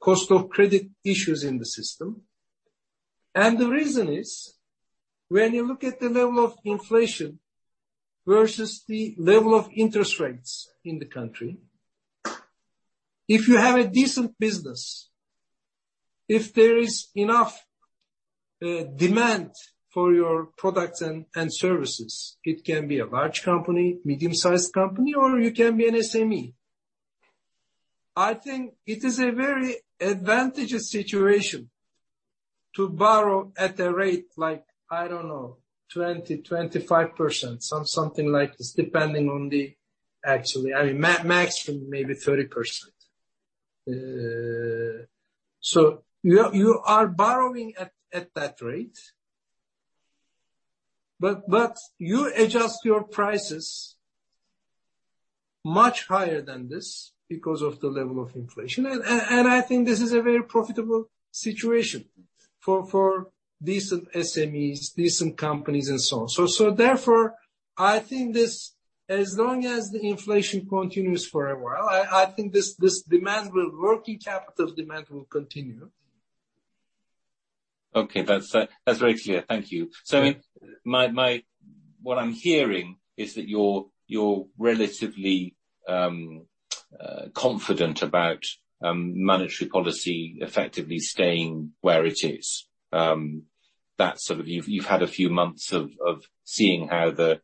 cost of credit issues in the system. The reason is, when you look at the level of inflation versus the level of interest rates in the country, if you have a decent business, if there is enough demand for your products and services, it can be a large company, medium-sized company, or you can be an SME. I think it is a very advantageous situation to borrow at a rate like, I don't know, 20%-25%, something like this, depending on the actually, I mean, maximum maybe 30%. You are borrowing at that rate, but you adjust your prices much higher than this because of the level of inflation. I think this is a very profitable situation for decent SMEs, decent companies and so on. Therefore, I think this, as long as the inflation continues for a while, I think this demand will work, the capital demand will continue. Okay. That's, that's very clear. Thank you. Yeah. What I'm hearing is that you're relatively confident about monetary policy effectively staying where it is. That's sort of you've had a few months of seeing how the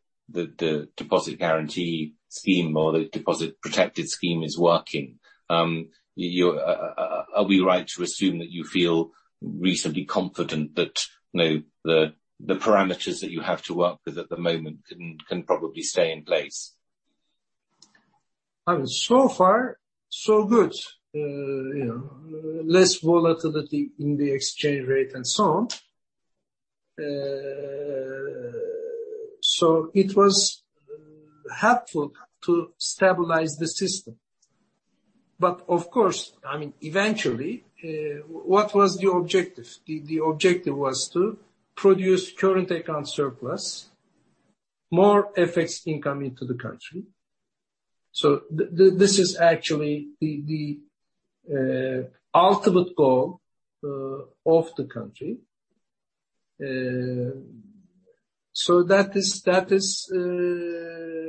deposit guarantee scheme or the deposit protected scheme is working. Are we right to assume that you feel reasonably confident that, you know, the parameters that you have to work with at the moment can probably stay in place? I mean, so far so good. You know, less volatility in the exchange rate and so on. It was helpful to stabilize the system. Of course, I mean, eventually, what was the objective? The objective was to produce current account surplus, more FX income into the country. This is actually the ultimate goal of the country. That is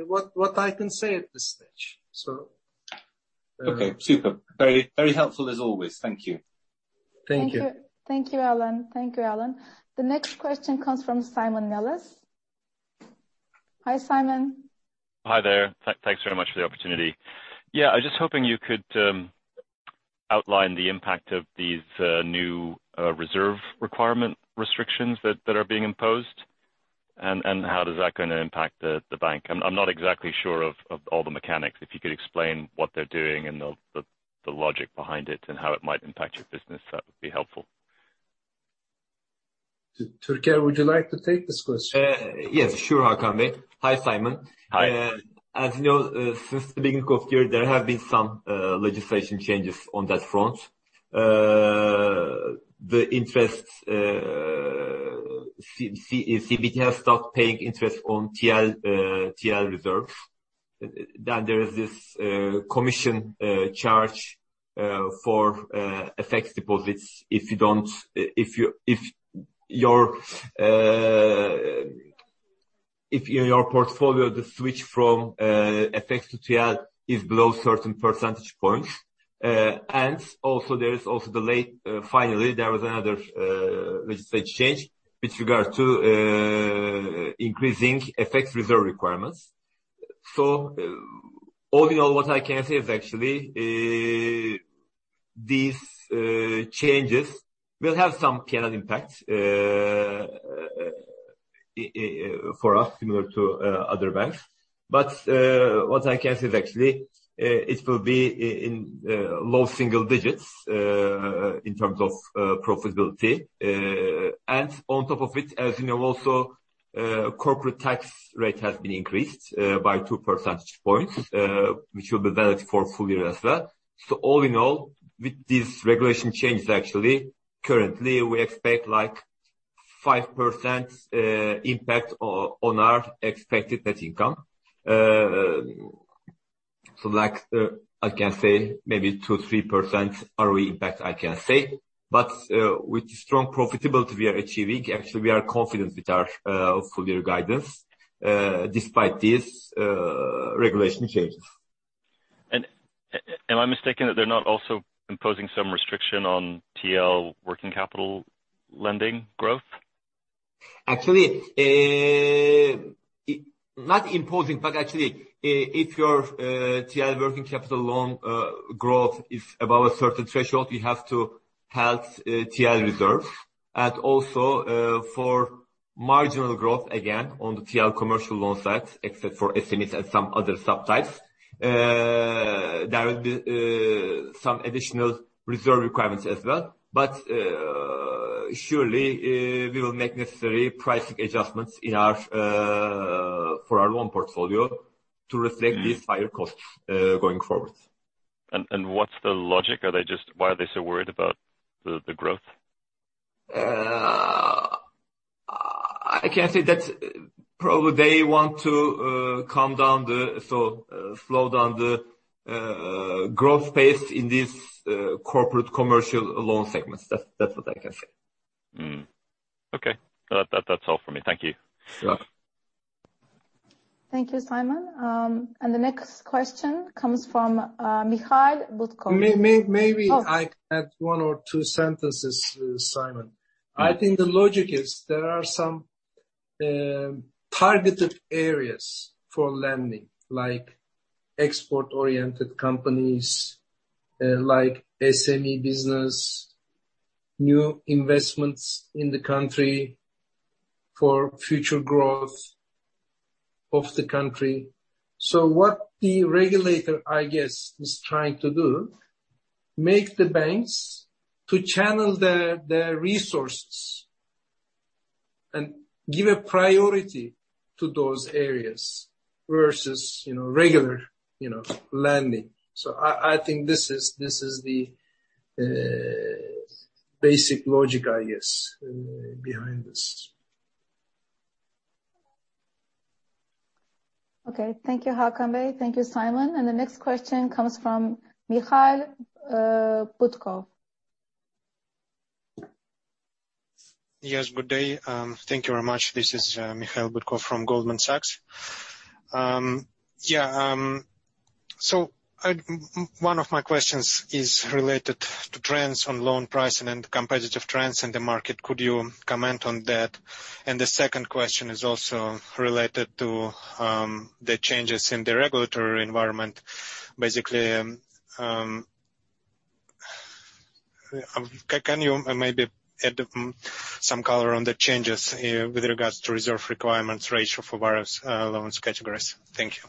what I can say at this stage. Okay. Super. Very, very helpful as always. Thank you. Thank you. Thank you, Alan. The next question comes from Simon Nellis. Hi, Simon. Hi there. Thanks very much for the opportunity. Yeah. I was just hoping you could outline the impact of these new reserve requirement restrictions that are being imposed, and how does that gonna impact the bank. I'm not exactly sure of all the mechanics. If you could explain what they're doing and the logic behind it and how it might impact your business, that would be helpful. Türker, would you like to take this question? Yes. Sure, Hakan Bey. Hi, Simon. Hi. As you know, since the beginning of the year, there have been some legislation changes on that front. CBRT stopped paying interest on TL reserves. There is this commission charge for FX deposits if in your portfolio the switch from FX to TL is below certain percentage points. Also there is a levy. Finally, there was another legislation change with regard to increasing FX reserve requirements. All in all, what I can say is actually these changes will have some P&L impacts for us similar to other banks. What I can say is actually it will be in low single digits in terms of profitability. On top of it, as you know, also, corporate tax rate has been increased by two percentage points, which will be valid for full year as well. All in all, with these regulatory changes actually, currently, we expect like 5% impact on our expected net income. I can say maybe 2%-3% ROE impact. With the strong profitability we are achieving, actually, we are confident with our full year guidance despite these regulatory changes. Am I mistaken that they're not also imposing some restriction on TL working capital lending growth? Actually, not imposing, but actually if your TL working capital loan growth is above a certain threshold, you have to have TL reserves. Also, for marginal growth, again, on the TL commercial loan side, except for SMEs and some other subtypes, there will be some additional reserve requirements as well. Surely, we will make necessary pricing adjustments for our loan portfolio to reflect. Mm. These higher costs going forward. What's the logic? Why are they so worried about the growth? I can say that's probably they want to slow down the growth pace in these corporate commercial loan segments. That's what I can say. Okay. That's all for me. Thank you. Sure. Thank you, Simon. The next question comes from Mikhail Butkov. May, may, maybe- Oh. I can add one or two sentences, Simon. Yeah. I think the logic is there are some targeted areas for lending, like export-oriented companies, like SME business, new investments in the country for future growth of the country. What the regulator, I guess, is trying to do, make the banks to channel their resources and give a priority to those areas versus, you know, regular, you know, lending. I think this is the basic logic, I guess, behind this. Okay. Thank you, Hakan Bey. Thank you, Simon. The next question comes from Mikhail Butkov. Yes. Good day. Thank you very much. This is Mikhail Butkov from Goldman Sachs. Yeah. So one of my questions is related to trends on loan pricing and competitive trends in the market. Could you comment on that? The second question is also related to the changes in the regulatory environment. Basically, can you maybe add some color on the changes with regards to reserve requirements ratio for various loans categories? Thank you.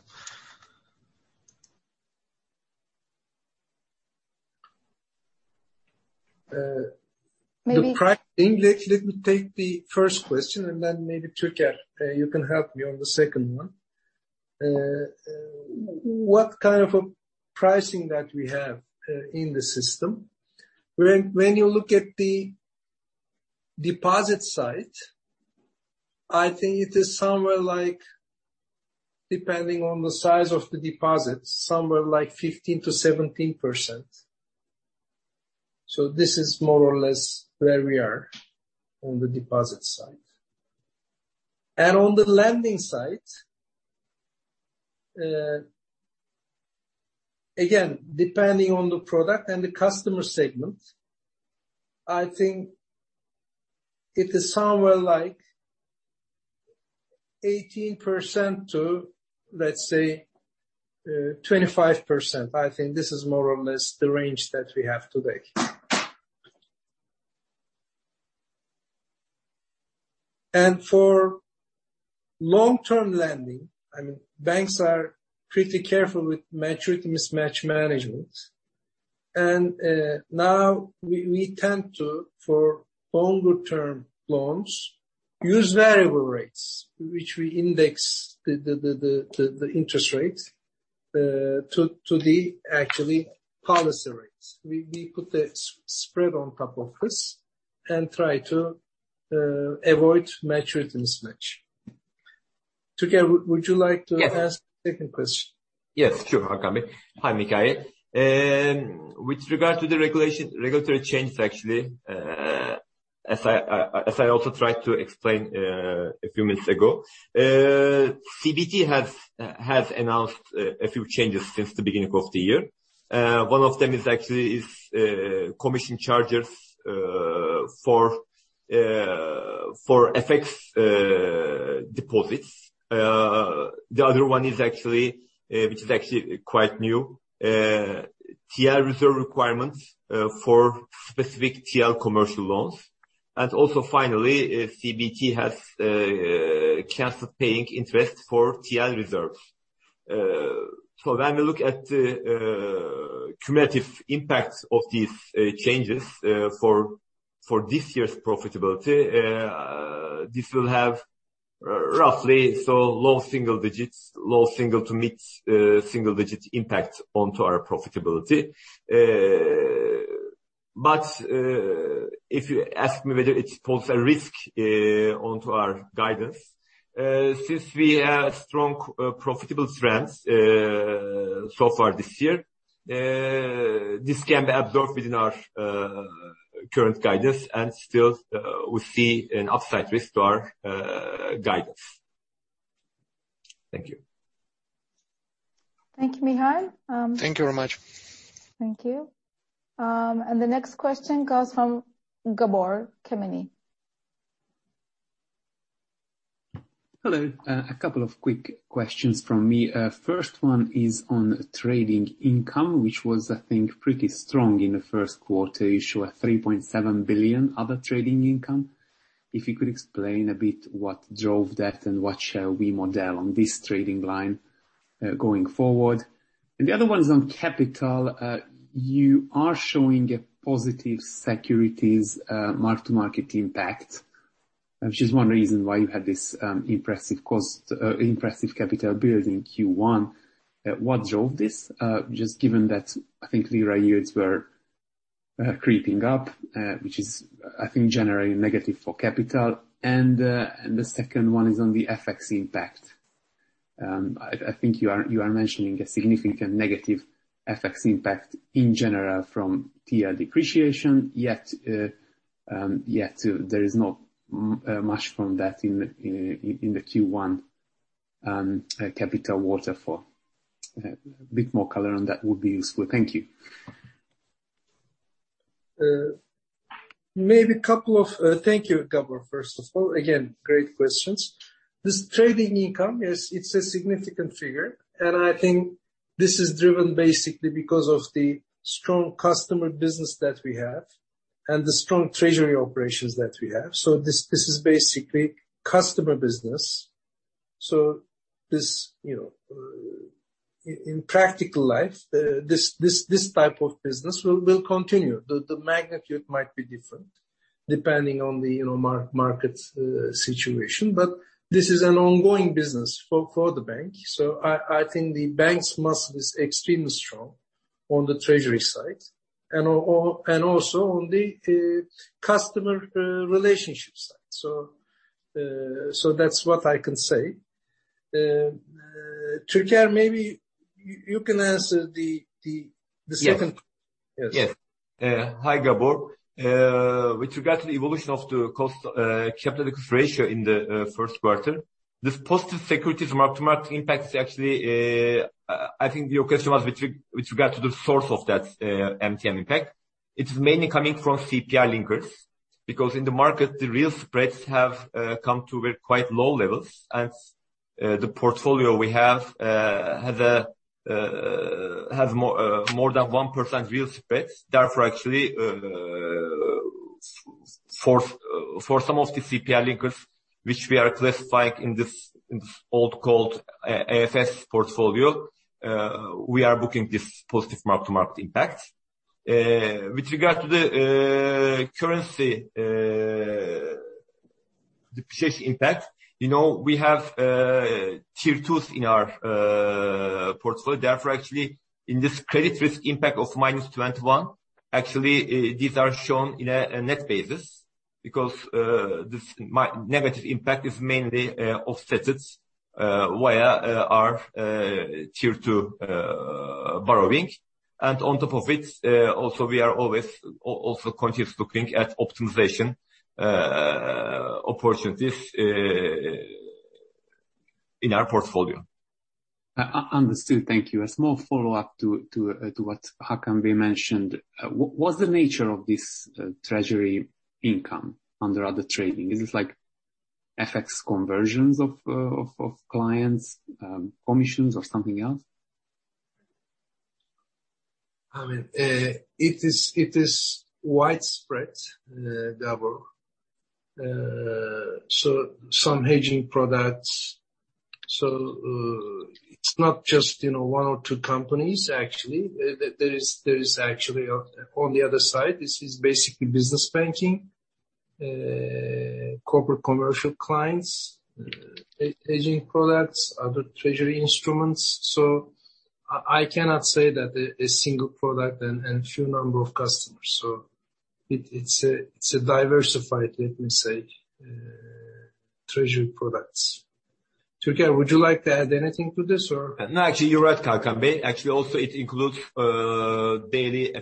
Uh- Maybe- Let me take the first question, and then maybe, Türker, you can help me on the second one. What kind of a pricing that we have in the system? When you look at the deposit side, I think it is somewhere like, depending on the size of the deposit, somewhere like 15%-17%. This is more or less where we are on the deposit side. On the lending side, again, depending on the product and the customer segment, I think it is somewhere like 18% to, let's say, 25%. I think this is more or less the range that we have today. For long-term lending, I mean, banks are pretty careful with maturity mismatch management. Now we tend to, for longer term loans, use variable rates, which we index the interest rates to the actual policy rates. We put a spread on top of this and try to avoid maturity mismatch. Türker, would you like to? Yes. Address the second question? Yes. Sure, Hakan Bey. Hi, Mikhail. With regard to the regulation, regulatory changes, actually, as I also tried to explain a few minutes ago, CBRT has announced a few changes since the beginning of the year. One of them is actually commission charges for FX deposits. The other one is actually, which is actually quite new, TL reserve requirements for specific TL commercial loans. Also finally, CBRT has canceled paying interest for TL reserves. When we look at the cumulative impacts of these changes for this year's profitability, this will have roughly, so low single digits, low single- to mid-single-digits impact onto our profitability. If you ask me whether it poses a risk to our guidance, since we have strong profitable trends so far this year, this can be absorbed within our current guidance and still we see an upside risk to our guidance. Thank you. Thank you, Mikhail. Thank you very much. Thank you. The next question comes from Gabor Kemeny. Hello. A couple of quick questions from me. First one is on trading income, which was, I think, pretty strong in the first quarter. You show 3.7 billion other trading income. If you could explain a bit what drove that and what shall we model on this trading line going forward. The other one is on capital. You are showing a positive securities mark-to-market impact, which is one reason why you had this impressive capital build in Q1. What drove this? Just given that I think lira yields were creeping up, which is, I think, generally negative for capital. The second one is on the FX impact. I think you are mentioning a significant negative FX impact in general from TL depreciation, yet there is not much from that in the Q1 capital waterfall. A bit more color on that would be useful. Thank you. Thank you, Gabor, first of all. Again, great questions. This trading income, yes, it's a significant figure, and I think this is driven basically because of the strong customer business that we have and the strong treasury operations that we have. So this is basically customer business. So this, you know, in practical life, this type of business will continue. The magnitude might be different depending on the, you know, market situation. But this is an ongoing business for the bank. So I think the banks must be extremely strong on the treasury side and also on the customer relationship side. So that's what I can say. Türker, maybe you can answer the second- Yes. Yes. Yes. Hi, Gabor. With regard to the evolution of the CET1 capital ratio in the first quarter, this positive securities mark-to-market impact is actually. I think your question was which with regard to the source of that MTM impact. It's mainly coming from CPI linkers, because in the market the real spreads have come to quite low levels. The portfolio we have has more than 1% real spreads. Therefore actually, for some of the CPI linkers which we are classifying in this so-called AFS portfolio, we are booking this positive mark-to-market impact. With regard to the currency depreciation impact. You know, we have Tier 2s in our portfolio. Therefore, actually in this credit risk impact of -21, actually, these are shown on a net basis because this negative impact is mainly offset via our Tier two borrowing. On top of it, also we are always continuously looking at optimization opportunities in our portfolio. Understood. Thank you. A small follow-up to what Hakan Bey mentioned. What's the nature of this treasury income under other trading? Is this like FX conversions of clients commissions or something else? I mean, it is widespread, Gabor. So some hedging products. It's not just, you know, one or two companies actually. There is actually on the other side, this is basically business banking, corporate commercial clients, hedging products, other treasury instruments. I cannot say that a single product and few number of customers. It's a diversified, let me say, treasury products. Türker, would you like to add anything to this or? No, actually you're right, Hakan Bey. Actually, also it includes daily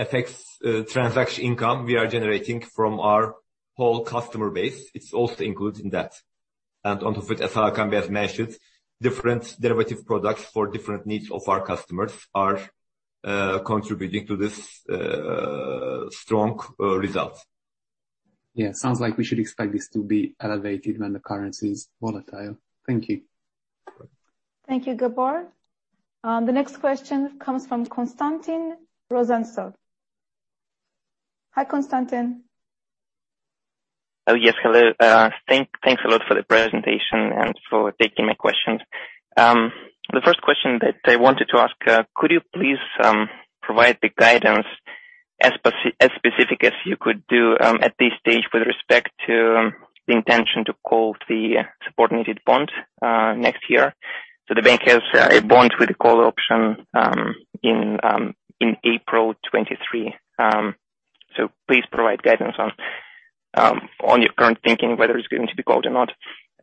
FX transaction income we are generating from our whole customer base. It's also included in that. On top of it, as Hakan Bey has mentioned, different derivative products for different needs of our customers are contributing to this strong results. Yeah. Sounds like we should expect this to be elevated when the currency is volatile. Thank you. Thank you, Gabor. The next question comes from Konstantin Rozantsev. Hi, Konstantin. Oh, yes, hello. Thanks a lot for the presentation and for taking my questions. The first question that I wanted to ask, could you please provide the guidance as specific as you could do, at this stage with respect to the intention to call the subordinated bond next year? The bank has a bond with a call option in April 2023. Please provide guidance on your current thinking whether it's going to be called or not.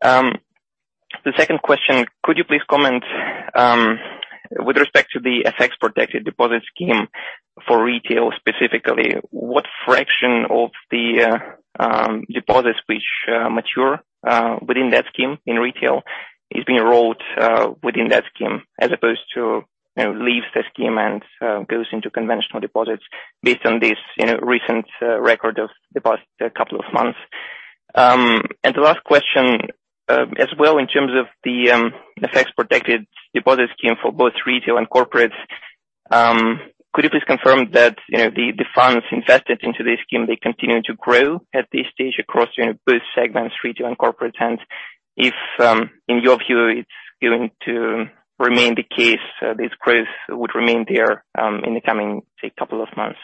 The second question, could you please comment with respect to the FX protected deposit scheme for retail specifically, what fraction of the deposits which mature within that scheme in retail is being rolled within that scheme as opposed to, you know, leave the scheme and goes into conventional deposits based on this, you know, recent record of the past couple of months? The last question, as well in terms of the FX protected deposit scheme for both retail and corporates, could you please confirm that, you know, the funds invested into this scheme they continue to grow at this stage across, you know, both segments, retail and corporate? And if in your view it's going to remain the case, this growth would remain there in the coming, say, couple of months.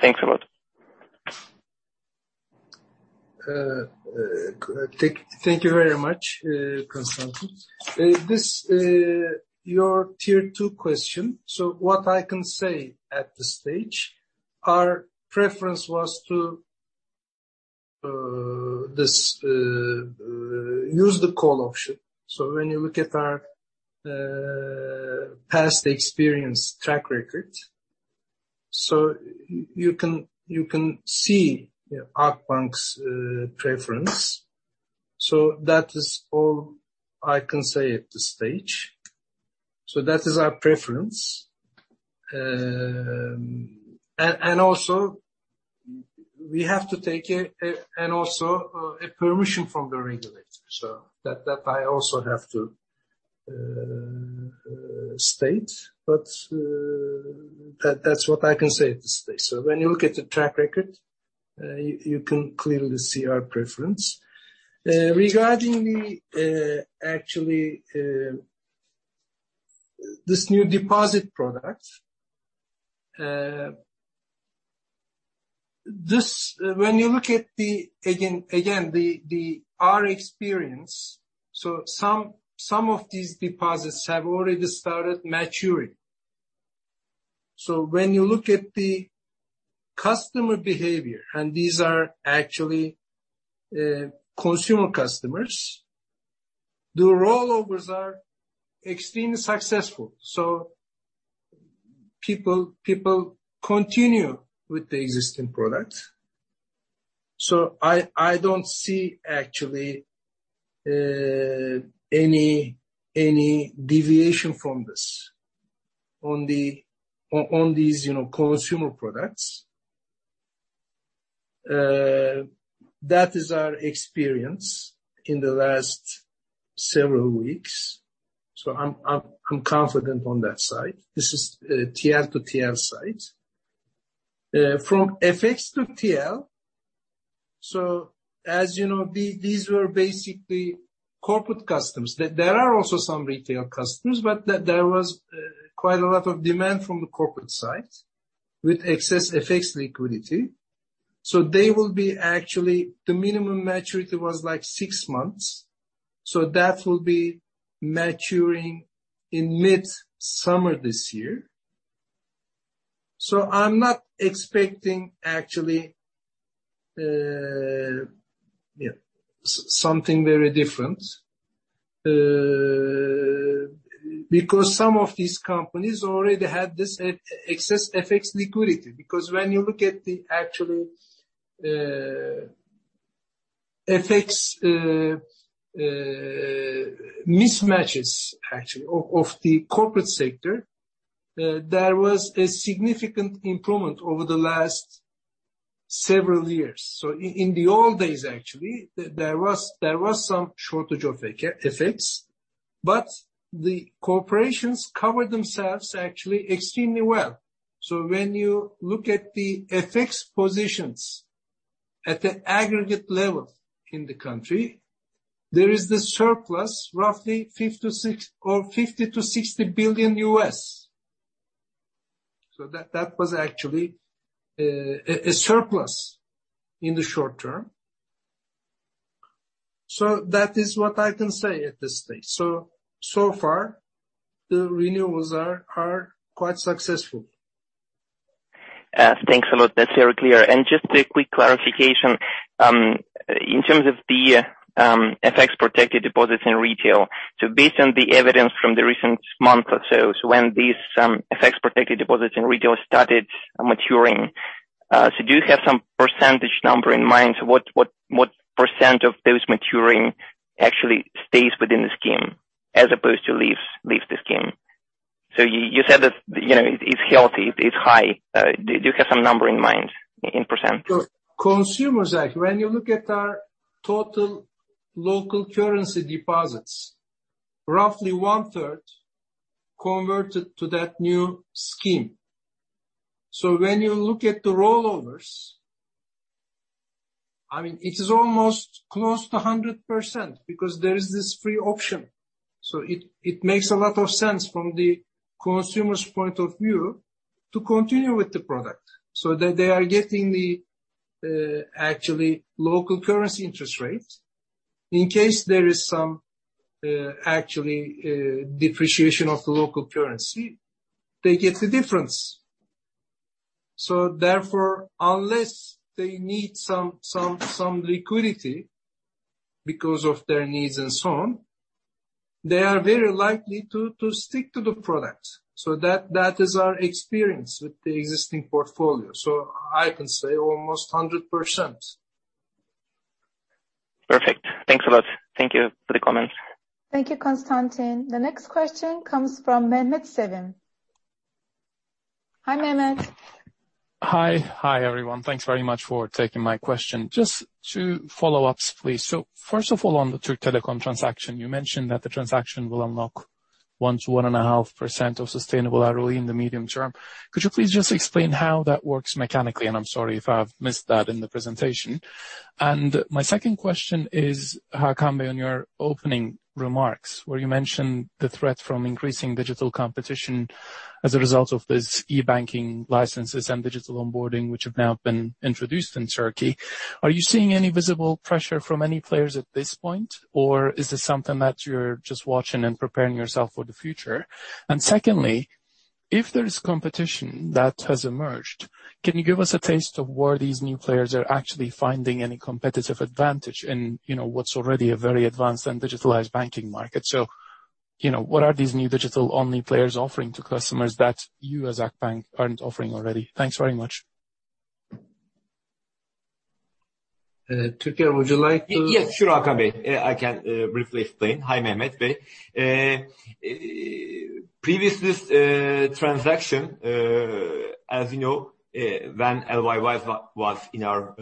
Thanks a lot. Thank you very much, Konstantin. This your Tier two question. What I can say at this stage, our preference was to use the call option. When you look at our past experience track record. You can see our bank's preference. That is all I can say at this stage. That is our preference. Also we have to take a permission from the regulator. That I also have to state. That's what I can say at this stage. When you look at the track record, you can clearly see our preference. Regarding the actually this new deposit product this. When you look at the again our experience some of these deposits have already started maturing. When you look at the customer behavior and these are actually consumer customers the rollovers are extremely successful. People continue with the existing product. I don't see actually any deviation from this on the on these you know consumer products. That is our experience in the last several weeks I'm confident on that side. This is TL to TL side. From FX to TL as you know these were basically corporate customers. There are also some retail customers but there was quite a lot of demand from the corporate side with excess FX liquidity. They will be actually. The minimum maturity was, like, six months, so that will be maturing in mid-summer this year. I'm not expecting actually, you know, something very different. Because some of these companies already had this excess FX liquidity, because when you look at the actually FX mismatches actually of the corporate sector, there was a significant improvement over the last several years. In the old days, actually, there was some shortage of FX, but the corporations covered themselves actually extremely well. When you look at the FX positions at the aggregate level in the country, there is this surplus, roughly $56 billion or $50 billion-$60 billion. That was actually a surplus in the short term. That is what I can say at this stage. So far, the renewals are quite successful. Thanks a lot. That's very clear. Just a quick clarification in terms of the FX protected deposits in retail. Based on the evidence from the recent month or so, when these FX protected deposits in retail started maturing, do you have some percentage number in mind? What percent of those maturing actually stays within the scheme as opposed to leaves the scheme? You said that, you know, it's healthy, it's high. Do you have some number in mind in percent? Consumers, actually. When you look at our total local currency deposits, roughly 1/3 converted to that new scheme. When you look at the rollovers, I mean, it is almost close to 100% because there is this free option. It makes a lot of sense from the consumer's point of view to continue with the product, so that they are getting the, actually local currency interest rates. In case there is some, actually, depreciation of the local currency, they get the difference. Therefore, unless they need some liquidity because of their needs and so on, they are very likely to stick to the product. That is our experience with the existing portfolio. I can say almost 100%. Perfect. Thanks a lot. Thank you for the comments. Thank you, Konstantin. The next question comes from Mehmet Sevim. Hi, Mehmet. Hi. Hi, everyone. Thanks very much for taking my question. Just two follow-ups, please. First of all, on the Türk Telekom transaction, you mentioned that the transaction will unlock 1%-1.5% of sustainable annually in the medium term. Could you please just explain how that works mechanically? I'm sorry if I've missed that in the presentation. My second question is, Hakan, on your opening remarks where you mentioned the threat from increasing digital competition as a result of these e-banking licenses and digital onboarding, which have now been introduced in Turkey. Are you seeing any visible pressure from any players at this point, or is this something that you're just watching and preparing yourself for the future? Secondly, if there's competition that has emerged, can you give us a taste of where these new players are actually finding any competitive advantage in, you know, what's already a very advanced and digitalized banking market? You know, what are these new digital only players offering to customers that you as Akbank aren't offering already? Thanks very much. Türker, would you like to? Yes, sure, Hakan Bey. I can briefly explain. Hi, Mehmet Bey. Previous transaction, as you know, when LYY was in our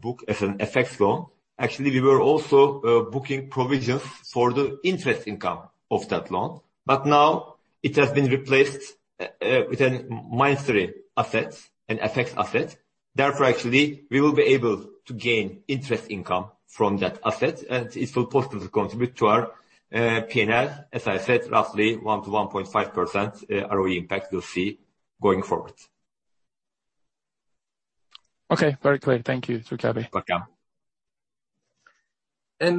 book as an FX loan, actually, we were also booking provisions for the interest income of that loan. But now it has been replaced with an IAS 29 asset, an FX asset. Therefore, actually, we will be able to gain interest income from that asset, and it will possibly contribute to our P&L. As I said, roughly 1%-1.5% ROE impact we'll see going forward. Okay, very clear. Thank you, Türker Tunalı. Welcome.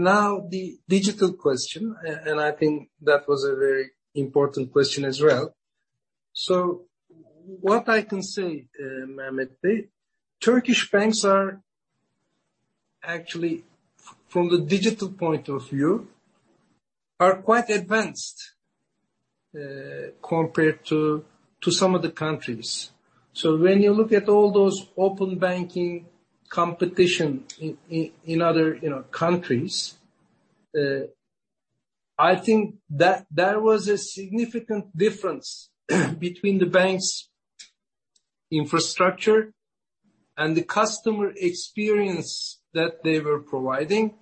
Now the digital question, and I think that was a very important question as well. What I can say, Mehmet Bey, Turkish banks are actually, from the digital point of view, quite advanced, compared to some of the countries. When you look at all those open banking competition in other, you know, countries, I think that there was a significant difference between the bank's infrastructure and the customer experience that they were providing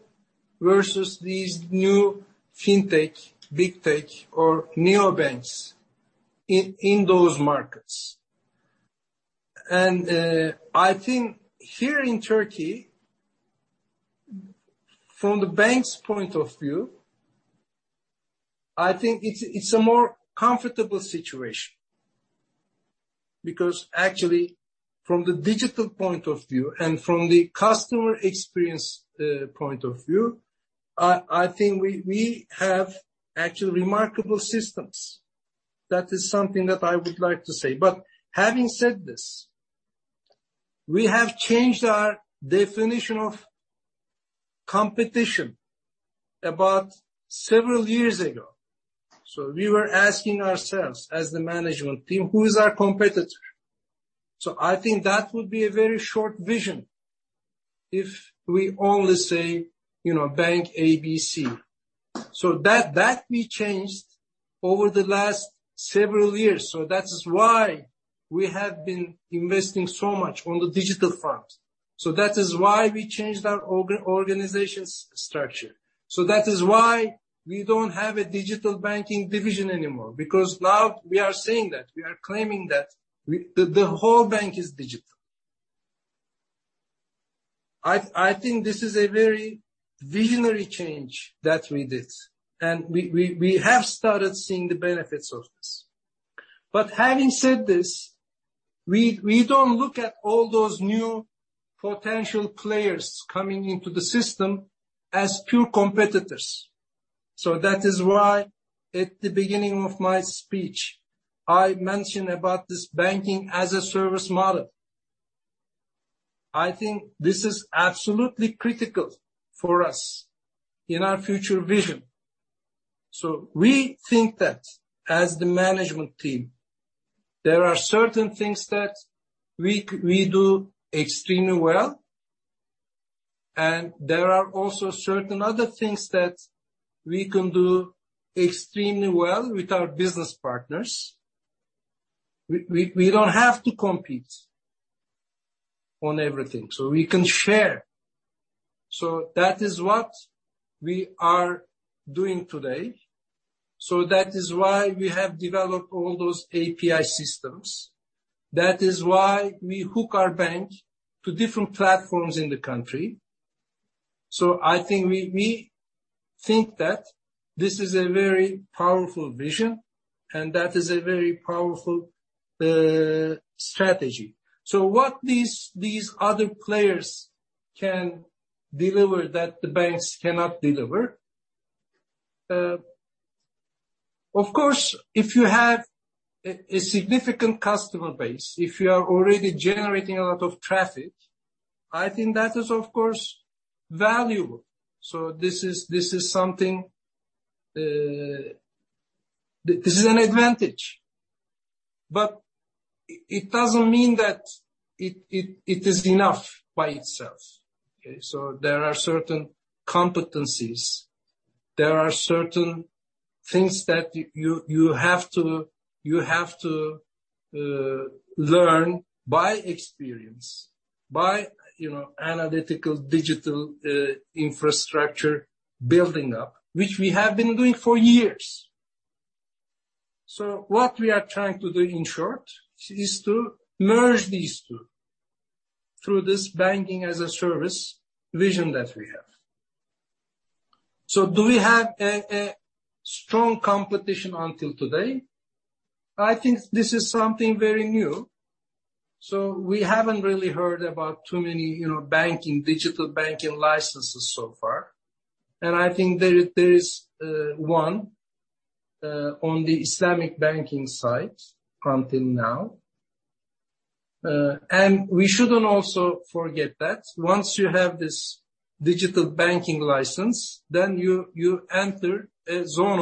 versus these new fintech, bigtech or neobanks in those markets. I think here in Turkey, from the bank's point of view, I think it's a more comfortable situation. Because actually, from the digital point of view and from the customer experience point of view, I think we have actually remarkable systems. That is something that I would like to say. Having said this, we have changed our definition of competition about several years ago. We were asking ourselves as the management team, who is our competitor? I think that would be a very short vision if we only say, you know, bank ABC. That we changed over the last several years. That is why we have been investing so much on the digital front. That is why we changed our organization's structure. That is why we don't have a digital banking division anymore, because now we are saying that we are claiming that the whole bank is digital. I think this is a very visionary change that we did, and we have started seeing the benefits of this. Having said this, we don't look at all those new potential players coming into the system as pure competitors. That is why at the beginning of my speech, I mentioned about this banking-as-a-service model. I think this is absolutely critical for us in our future vision. We think that as the management team, there are certain things that we do extremely well, and there are also certain other things that we can do extremely well with our business partners. We don't have to compete on everything, so we can share. That is what we are doing today. That is why we have developed all those API systems. That is why we hook our bank to different platforms in the country. I think we think that this is a very powerful vision, and that is a very powerful strategy. What can these other players deliver that the banks cannot deliver? Of course, if you have a significant customer base, if you are already generating a lot of traffic, I think that is, of course, valuable. This is something, this is an advantage. But it doesn't mean that it is enough by itself. Okay? There are certain competencies, there are certain things that you have to learn by experience, by, you know, analytical, digital infrastructure building up, which we have been doing for years. What we are trying to do, in short, is to merge these two through this banking-as-a-service vision that we have. Do we have a strong competition until today? I think this is something very new, so we haven't really heard about too many, you know, banking, digital banking licenses so far. I think there is one on the Islamic banking side until now. We shouldn't also forget that once you have this digital banking license, then you enter a zone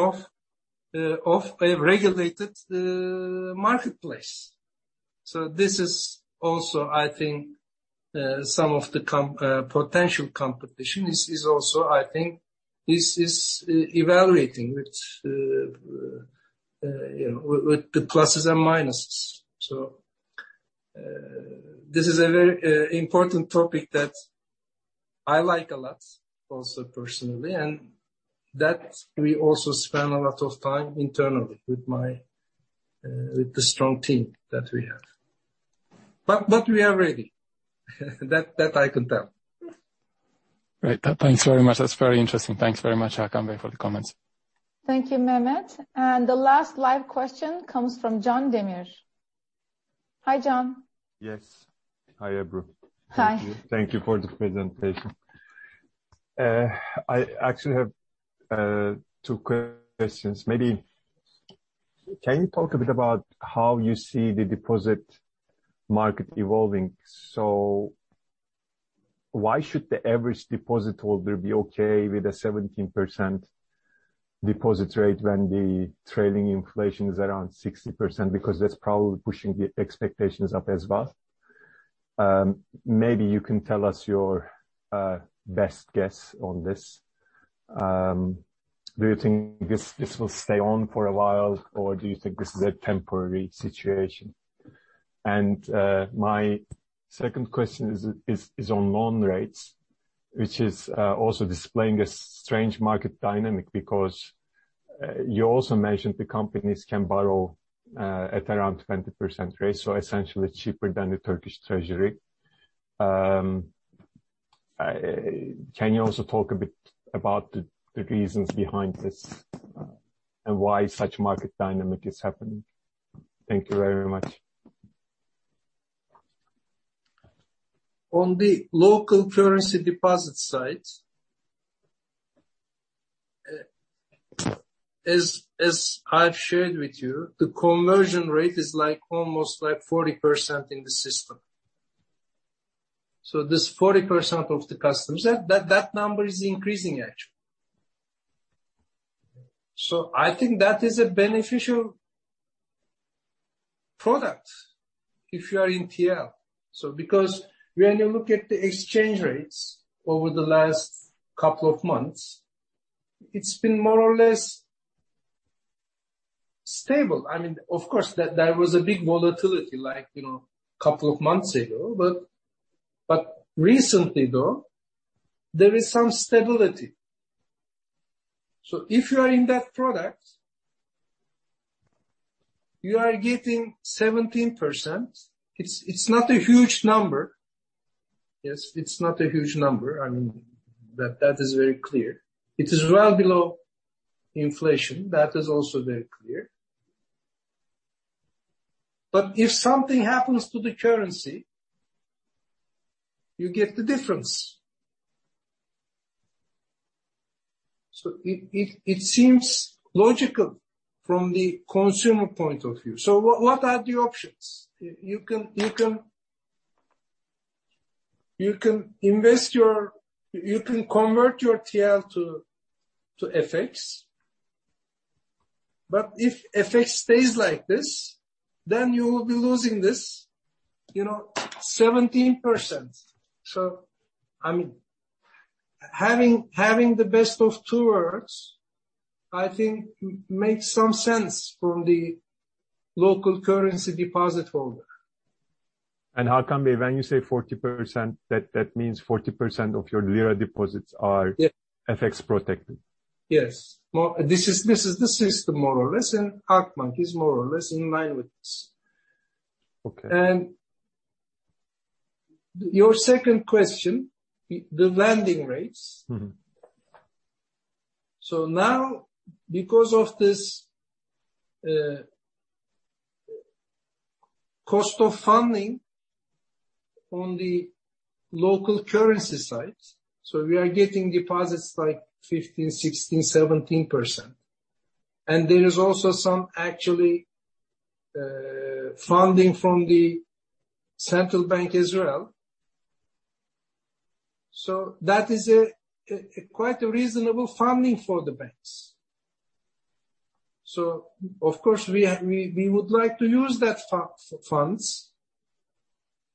of a regulated marketplace. This is also I think some of the potential competition. It is also I think this is evaluating with, you know, with the pluses and minuses. This is a very important topic that I like a lot also personally, and that we also spend a lot of time internally with the strong team that we have. We are ready. That I can tell. Great. Thanks very much. That's very interesting. Thanks very much, Hakan Bey, for the comments. Thank you, Mehmet. The last live question comes from Can Demir. Hi, Can. Yes. Hi, Ebru. Hi. Thank you. Thank you for the presentation. I actually have two questions. Maybe can you talk a bit about how you see the deposit market evolving? So why should the average deposit holder be okay with a 17% deposit rate when the trailing inflation is around 60%? Because that's probably pushing the expectations up as well. Maybe you can tell us your best guess on this. Do you think this will stay on for a while, or do you think this is a temporary situation? My second question is on loan rates, which is also displaying a strange market dynamic because you also mentioned the companies can borrow at around 20% rate, so essentially cheaper than the Turkish Treasury. Can you also talk a bit about the reasons behind this and why such market dynamic is happening? Thank you very much. On the local currency deposit side, as I've shared with you, the conversion rate is almost 40% in the system. This 40% of the customers, that number is increasing actually. I think that is a beneficial product if you are in TL. Because when you look at the exchange rates over the last couple of months, it's been more or less stable. I mean, of course that there was a big volatility like, you know, couple of months ago. Recently though, there is some stability. If you are in that product, you are getting 17%. It's not a huge number. Yes, it's not a huge number. I mean, that is very clear. It is well below inflation. That is also very clear. If something happens to the currency, you get the difference. It seems logical from the consumer point of view. What are the options? You can convert your TL to FX. But if FX stays like this, then you will be losing this, you know, 17%. I mean, having the best of two worlds, I think makes some sense from the local currency deposit holder. Hakan Bey, when you say 40%, that means 40% of your lira deposits are- Yeah. FX protected. Yes. Well, this is the system more or less, and Hakan is more or less in line with this. Okay. Your second question, the lending rates. Mm-hmm. Now because of this, cost of funding on the local currency side, we are getting deposits like 15%, 16%, 17%, and there is also some actually funding from the central bank as well. That is a quite reasonable funding for the banks. Of course, we would like to use that funds,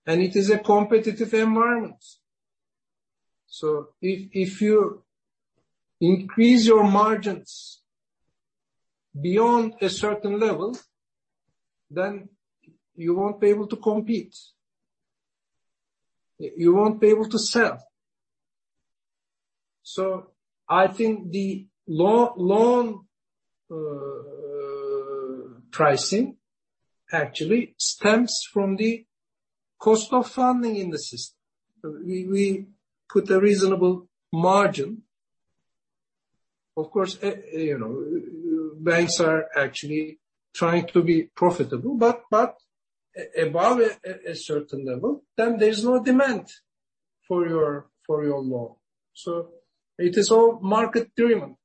and it is a competitive environment. If you increase your margins beyond a certain level, then you won't be able to compete. You won't be able to sell. I think the loan pricing actually stems from the cost of funding in the system. We put a reasonable margin. Of course, you know, banks are actually trying to be profitable, but above a certain level, then there's no demand for your loan. It is all market driven.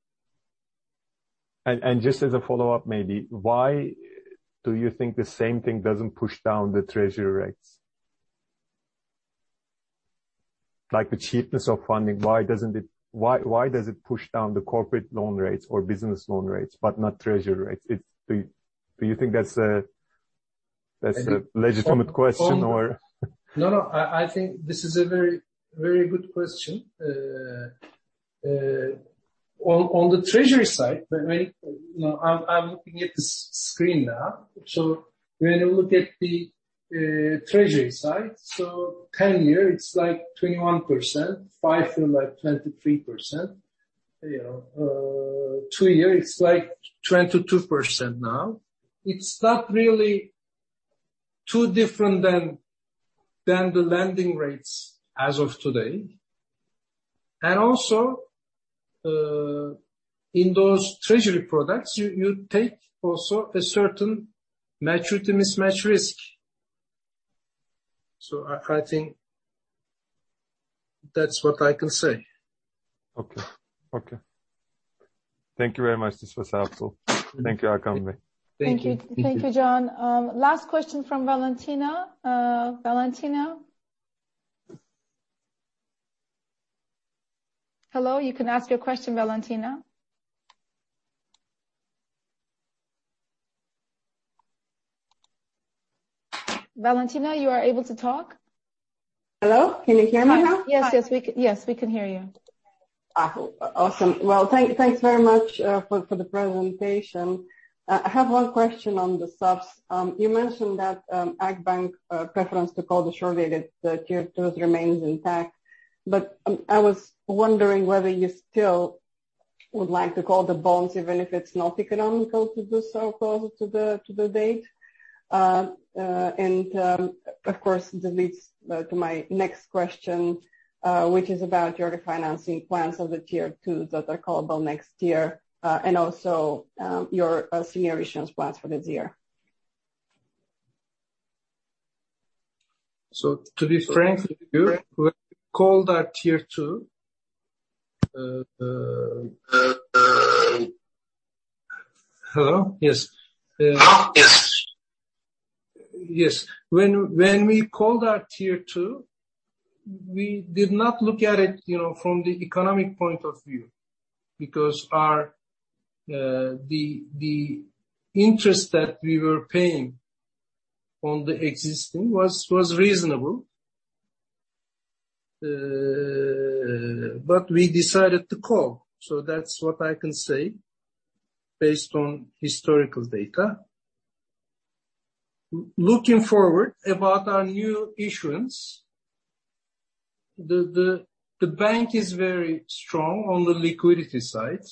Just as a follow-up maybe, why do you think the same thing doesn't push down the treasury rates? Like the cheapness of funding, why doesn't it why does it push down the corporate loan rates or business loan rates but not treasury rates? Do you think that's a legitimate question or No, no. I think this is a very, very good question. On the treasury side, when— You know, I'm looking at the screen now. When you look at the treasury side, 10-year it's like 21%, five-year like 23%. You know, two-year, it's like 22% now. It's not really too different than the lending rates as of today. Also, in those treasury products, you take also a certain maturity mismatch risk. I think that's what I can say. Okay. Thank you very much. This was helpful. Thank you, Hakan Bey. Thank you. Thank you. Thank you, Can. Last question from Valentina. Valentina? Hello, you can ask your question, Valentina. Valentina, you are able to talk? Hello, can you hear me now? Yes. Yes, we can hear you. Awesome. Well, thanks very much for the presentation. I have one question on the subs. You mentioned that Akbank's preference to call the short-dated Tier 2s remains intact. I was wondering whether you still would like to call the bonds even if it's not economical to do so call to the date. Of course, that leads to my next question, which is about your refinancing plans of the Tier 2s that are callable next year, and also your senior issuance plans for this year. To be frank with you, we called our Tier 2. Hello? Yes. Yes. Yes. When we called our Tier 2, we did not look at it, you know, from the economic point of view, because the interest that we were paying on the existing was reasonable. We decided to call. That's what I can say based on historical data. Looking forward about our new issuance, the bank is very strong on the liquidity side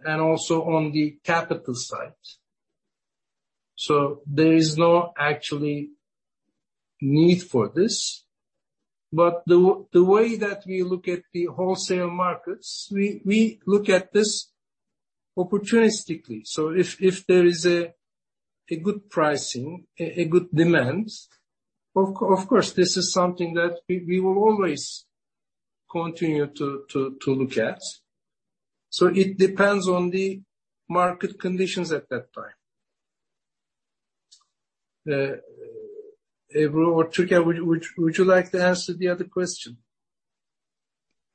and also on the capital side. There is no actual need for this. The way that we look at the wholesale markets, we look at this opportunistically. If there is a good pricing, a good demand, of course, this is something that we will always continue to look at. It depends on the market conditions at that time. Ebru or Türker, would you like to answer the other question?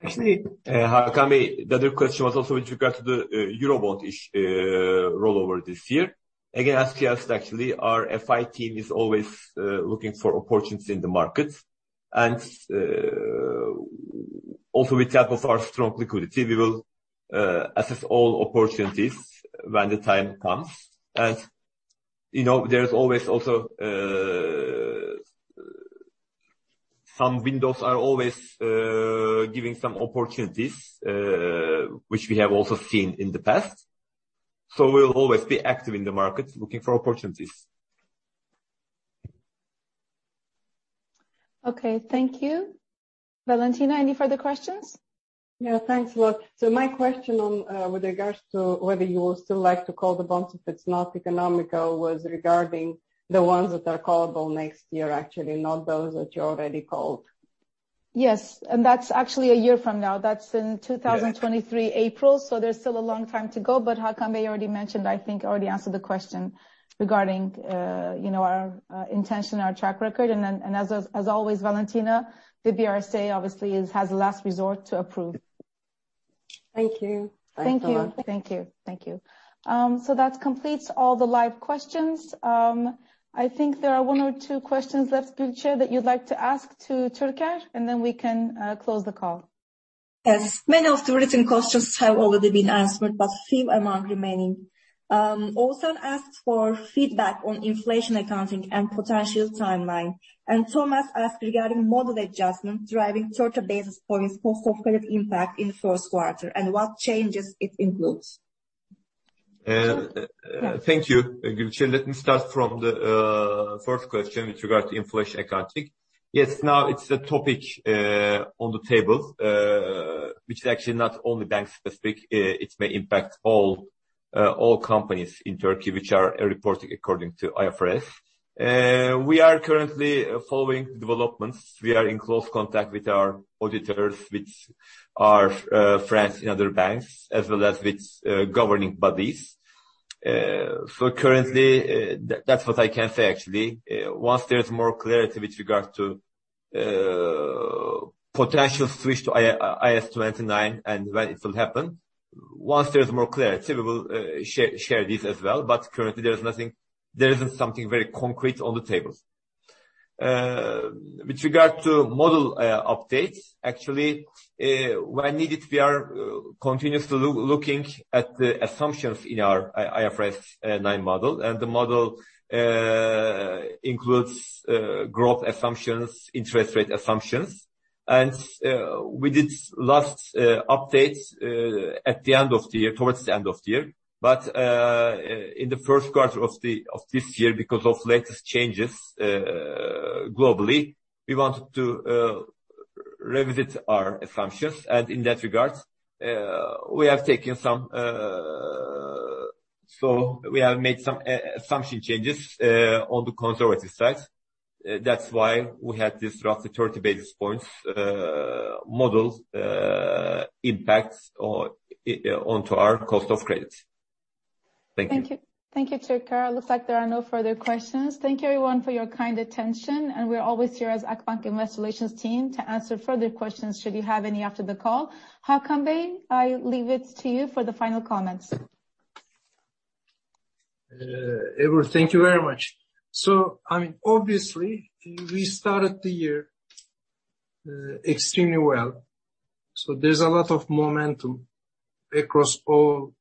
Actually, Hakan Bey, the other question was also with regards to the Eurobond rollover this year. Again, as asked, actually, our FI team is always looking for opportunities in the market. Also with that of our strong liquidity, we will assess all opportunities when the time comes. You know, there's always also some windows are always giving some opportunities, which we have also seen in the past. We'll always be active in the market looking for opportunities. Okay, thank you. Valentina, any further questions? Yeah, thanks a lot. My question on, with regards to whether you would still like to call the bonds if it's not economical was regarding the ones that are callable next year, actually, not those that you already called. Yes. That's actually a year from now. That's in 2023 April. Yeah. There's still a long time to go. Hakan Bey already mentioned, I think, already answered the question regarding, you know, our intention, our track record. Then, as always, Valentina, the BRSA obviously is, has the last resort to approve. Thank you. Thanks a lot. Thank you. That completes all the live questions. I think there are one or two questions left, Gülçe, that you'd like to ask to Türker, and then we can close the call. Yes. Many of the written questions have already been answered, but few among remaining. Ozan asked for feedback on inflation accounting and potential timeline. Thomas asked regarding model adjustment driving 30 basis points post software impact in the first quarter and what changes it includes. Thank you, Gülçe. Let me start from the first question with regards to inflation accounting. Yes, now it's a topic on the table, which is actually not only bank specific. It may impact all companies in Turkey which are reporting according to IFRS. We are currently following developments. We are in close contact with our auditors, with our friends in other banks, as well as with governing bodies. Currently, that's what I can say actually. Once there's more clarity with regards to potential switch to IAS 29 and when it will happen, once there's more clarity, we will share this as well. Currently there's nothing. There isn't something very concrete on the table. With regard to model updates, actually, when needed, we are continuously looking at the assumptions in our IFRS nine model. The model includes growth assumptions, interest rate assumptions. We did last updates at the end of the year, towards the end of the year. In the first quarter of this year, because of latest changes globally, we wanted to revisit our assumptions. In that regard, we have made some assumption changes on the conservative side. That's why we had this roughly 30 basis points model impacts on our cost of credit. Thank you. Thank you. Thank you, Türker. Looks like there are no further questions. Thank you everyone for your kind attention, and we're always here as Akbank Investor Relations team to answer further questions should you have any after the call. Hakan Bey, I leave it to you for the final comments. Ebru, thank you very much. I mean, obviously, we started the year extremely well. There's a lot of momentum across all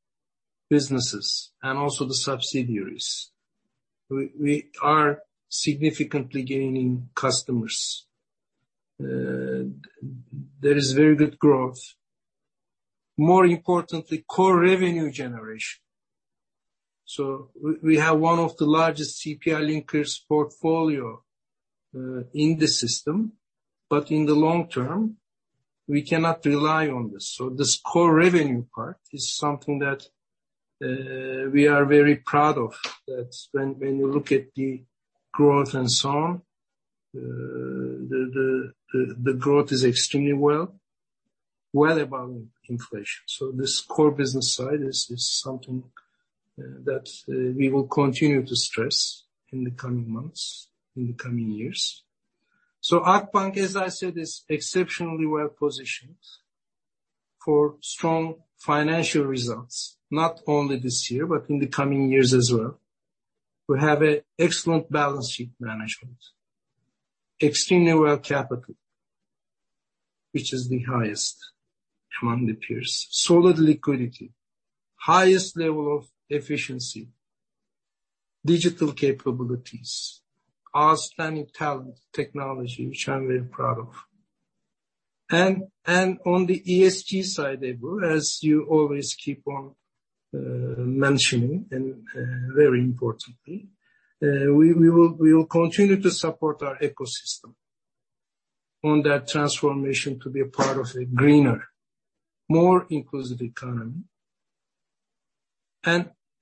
businesses and also the subsidiaries. We are significantly gaining customers. There is very good growth. More importantly, core revenue generation. We have one of the largest CPI linkers portfolio in the system. In the long term, we cannot rely on this. This core revenue part is something that we are very proud of. That when you look at the growth and so on, the growth is extremely well above inflation. This core business side is something that we will continue to stress in the coming months, in the coming years. Akbank, as I said, is exceptionally well-positioned for strong financial results, not only this year, but in the coming years as well. We have a excellent balance sheet management, extremely well capital, which is the highest among the peers. Solid liquidity, highest level of efficiency, digital capabilities, outstanding technology, which I'm very proud of. On the ESG side, Ebru, as you always keep on mentioning, and very importantly, we will continue to support our ecosystem on that transformation to be a part of a greener, more inclusive economy.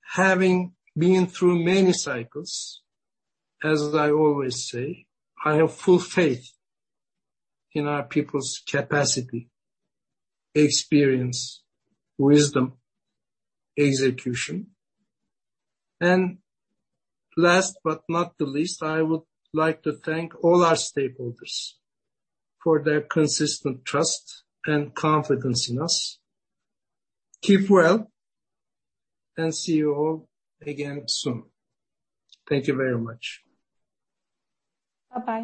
Having been through many cycles, as I always say, I have full faith in our people's capacity, experience, wisdom, execution. Last but not the least, I would like to thank all our stakeholders for their consistent trust and confidence in us. Keep well, and see you all again soon. Thank you very much. Bye-bye.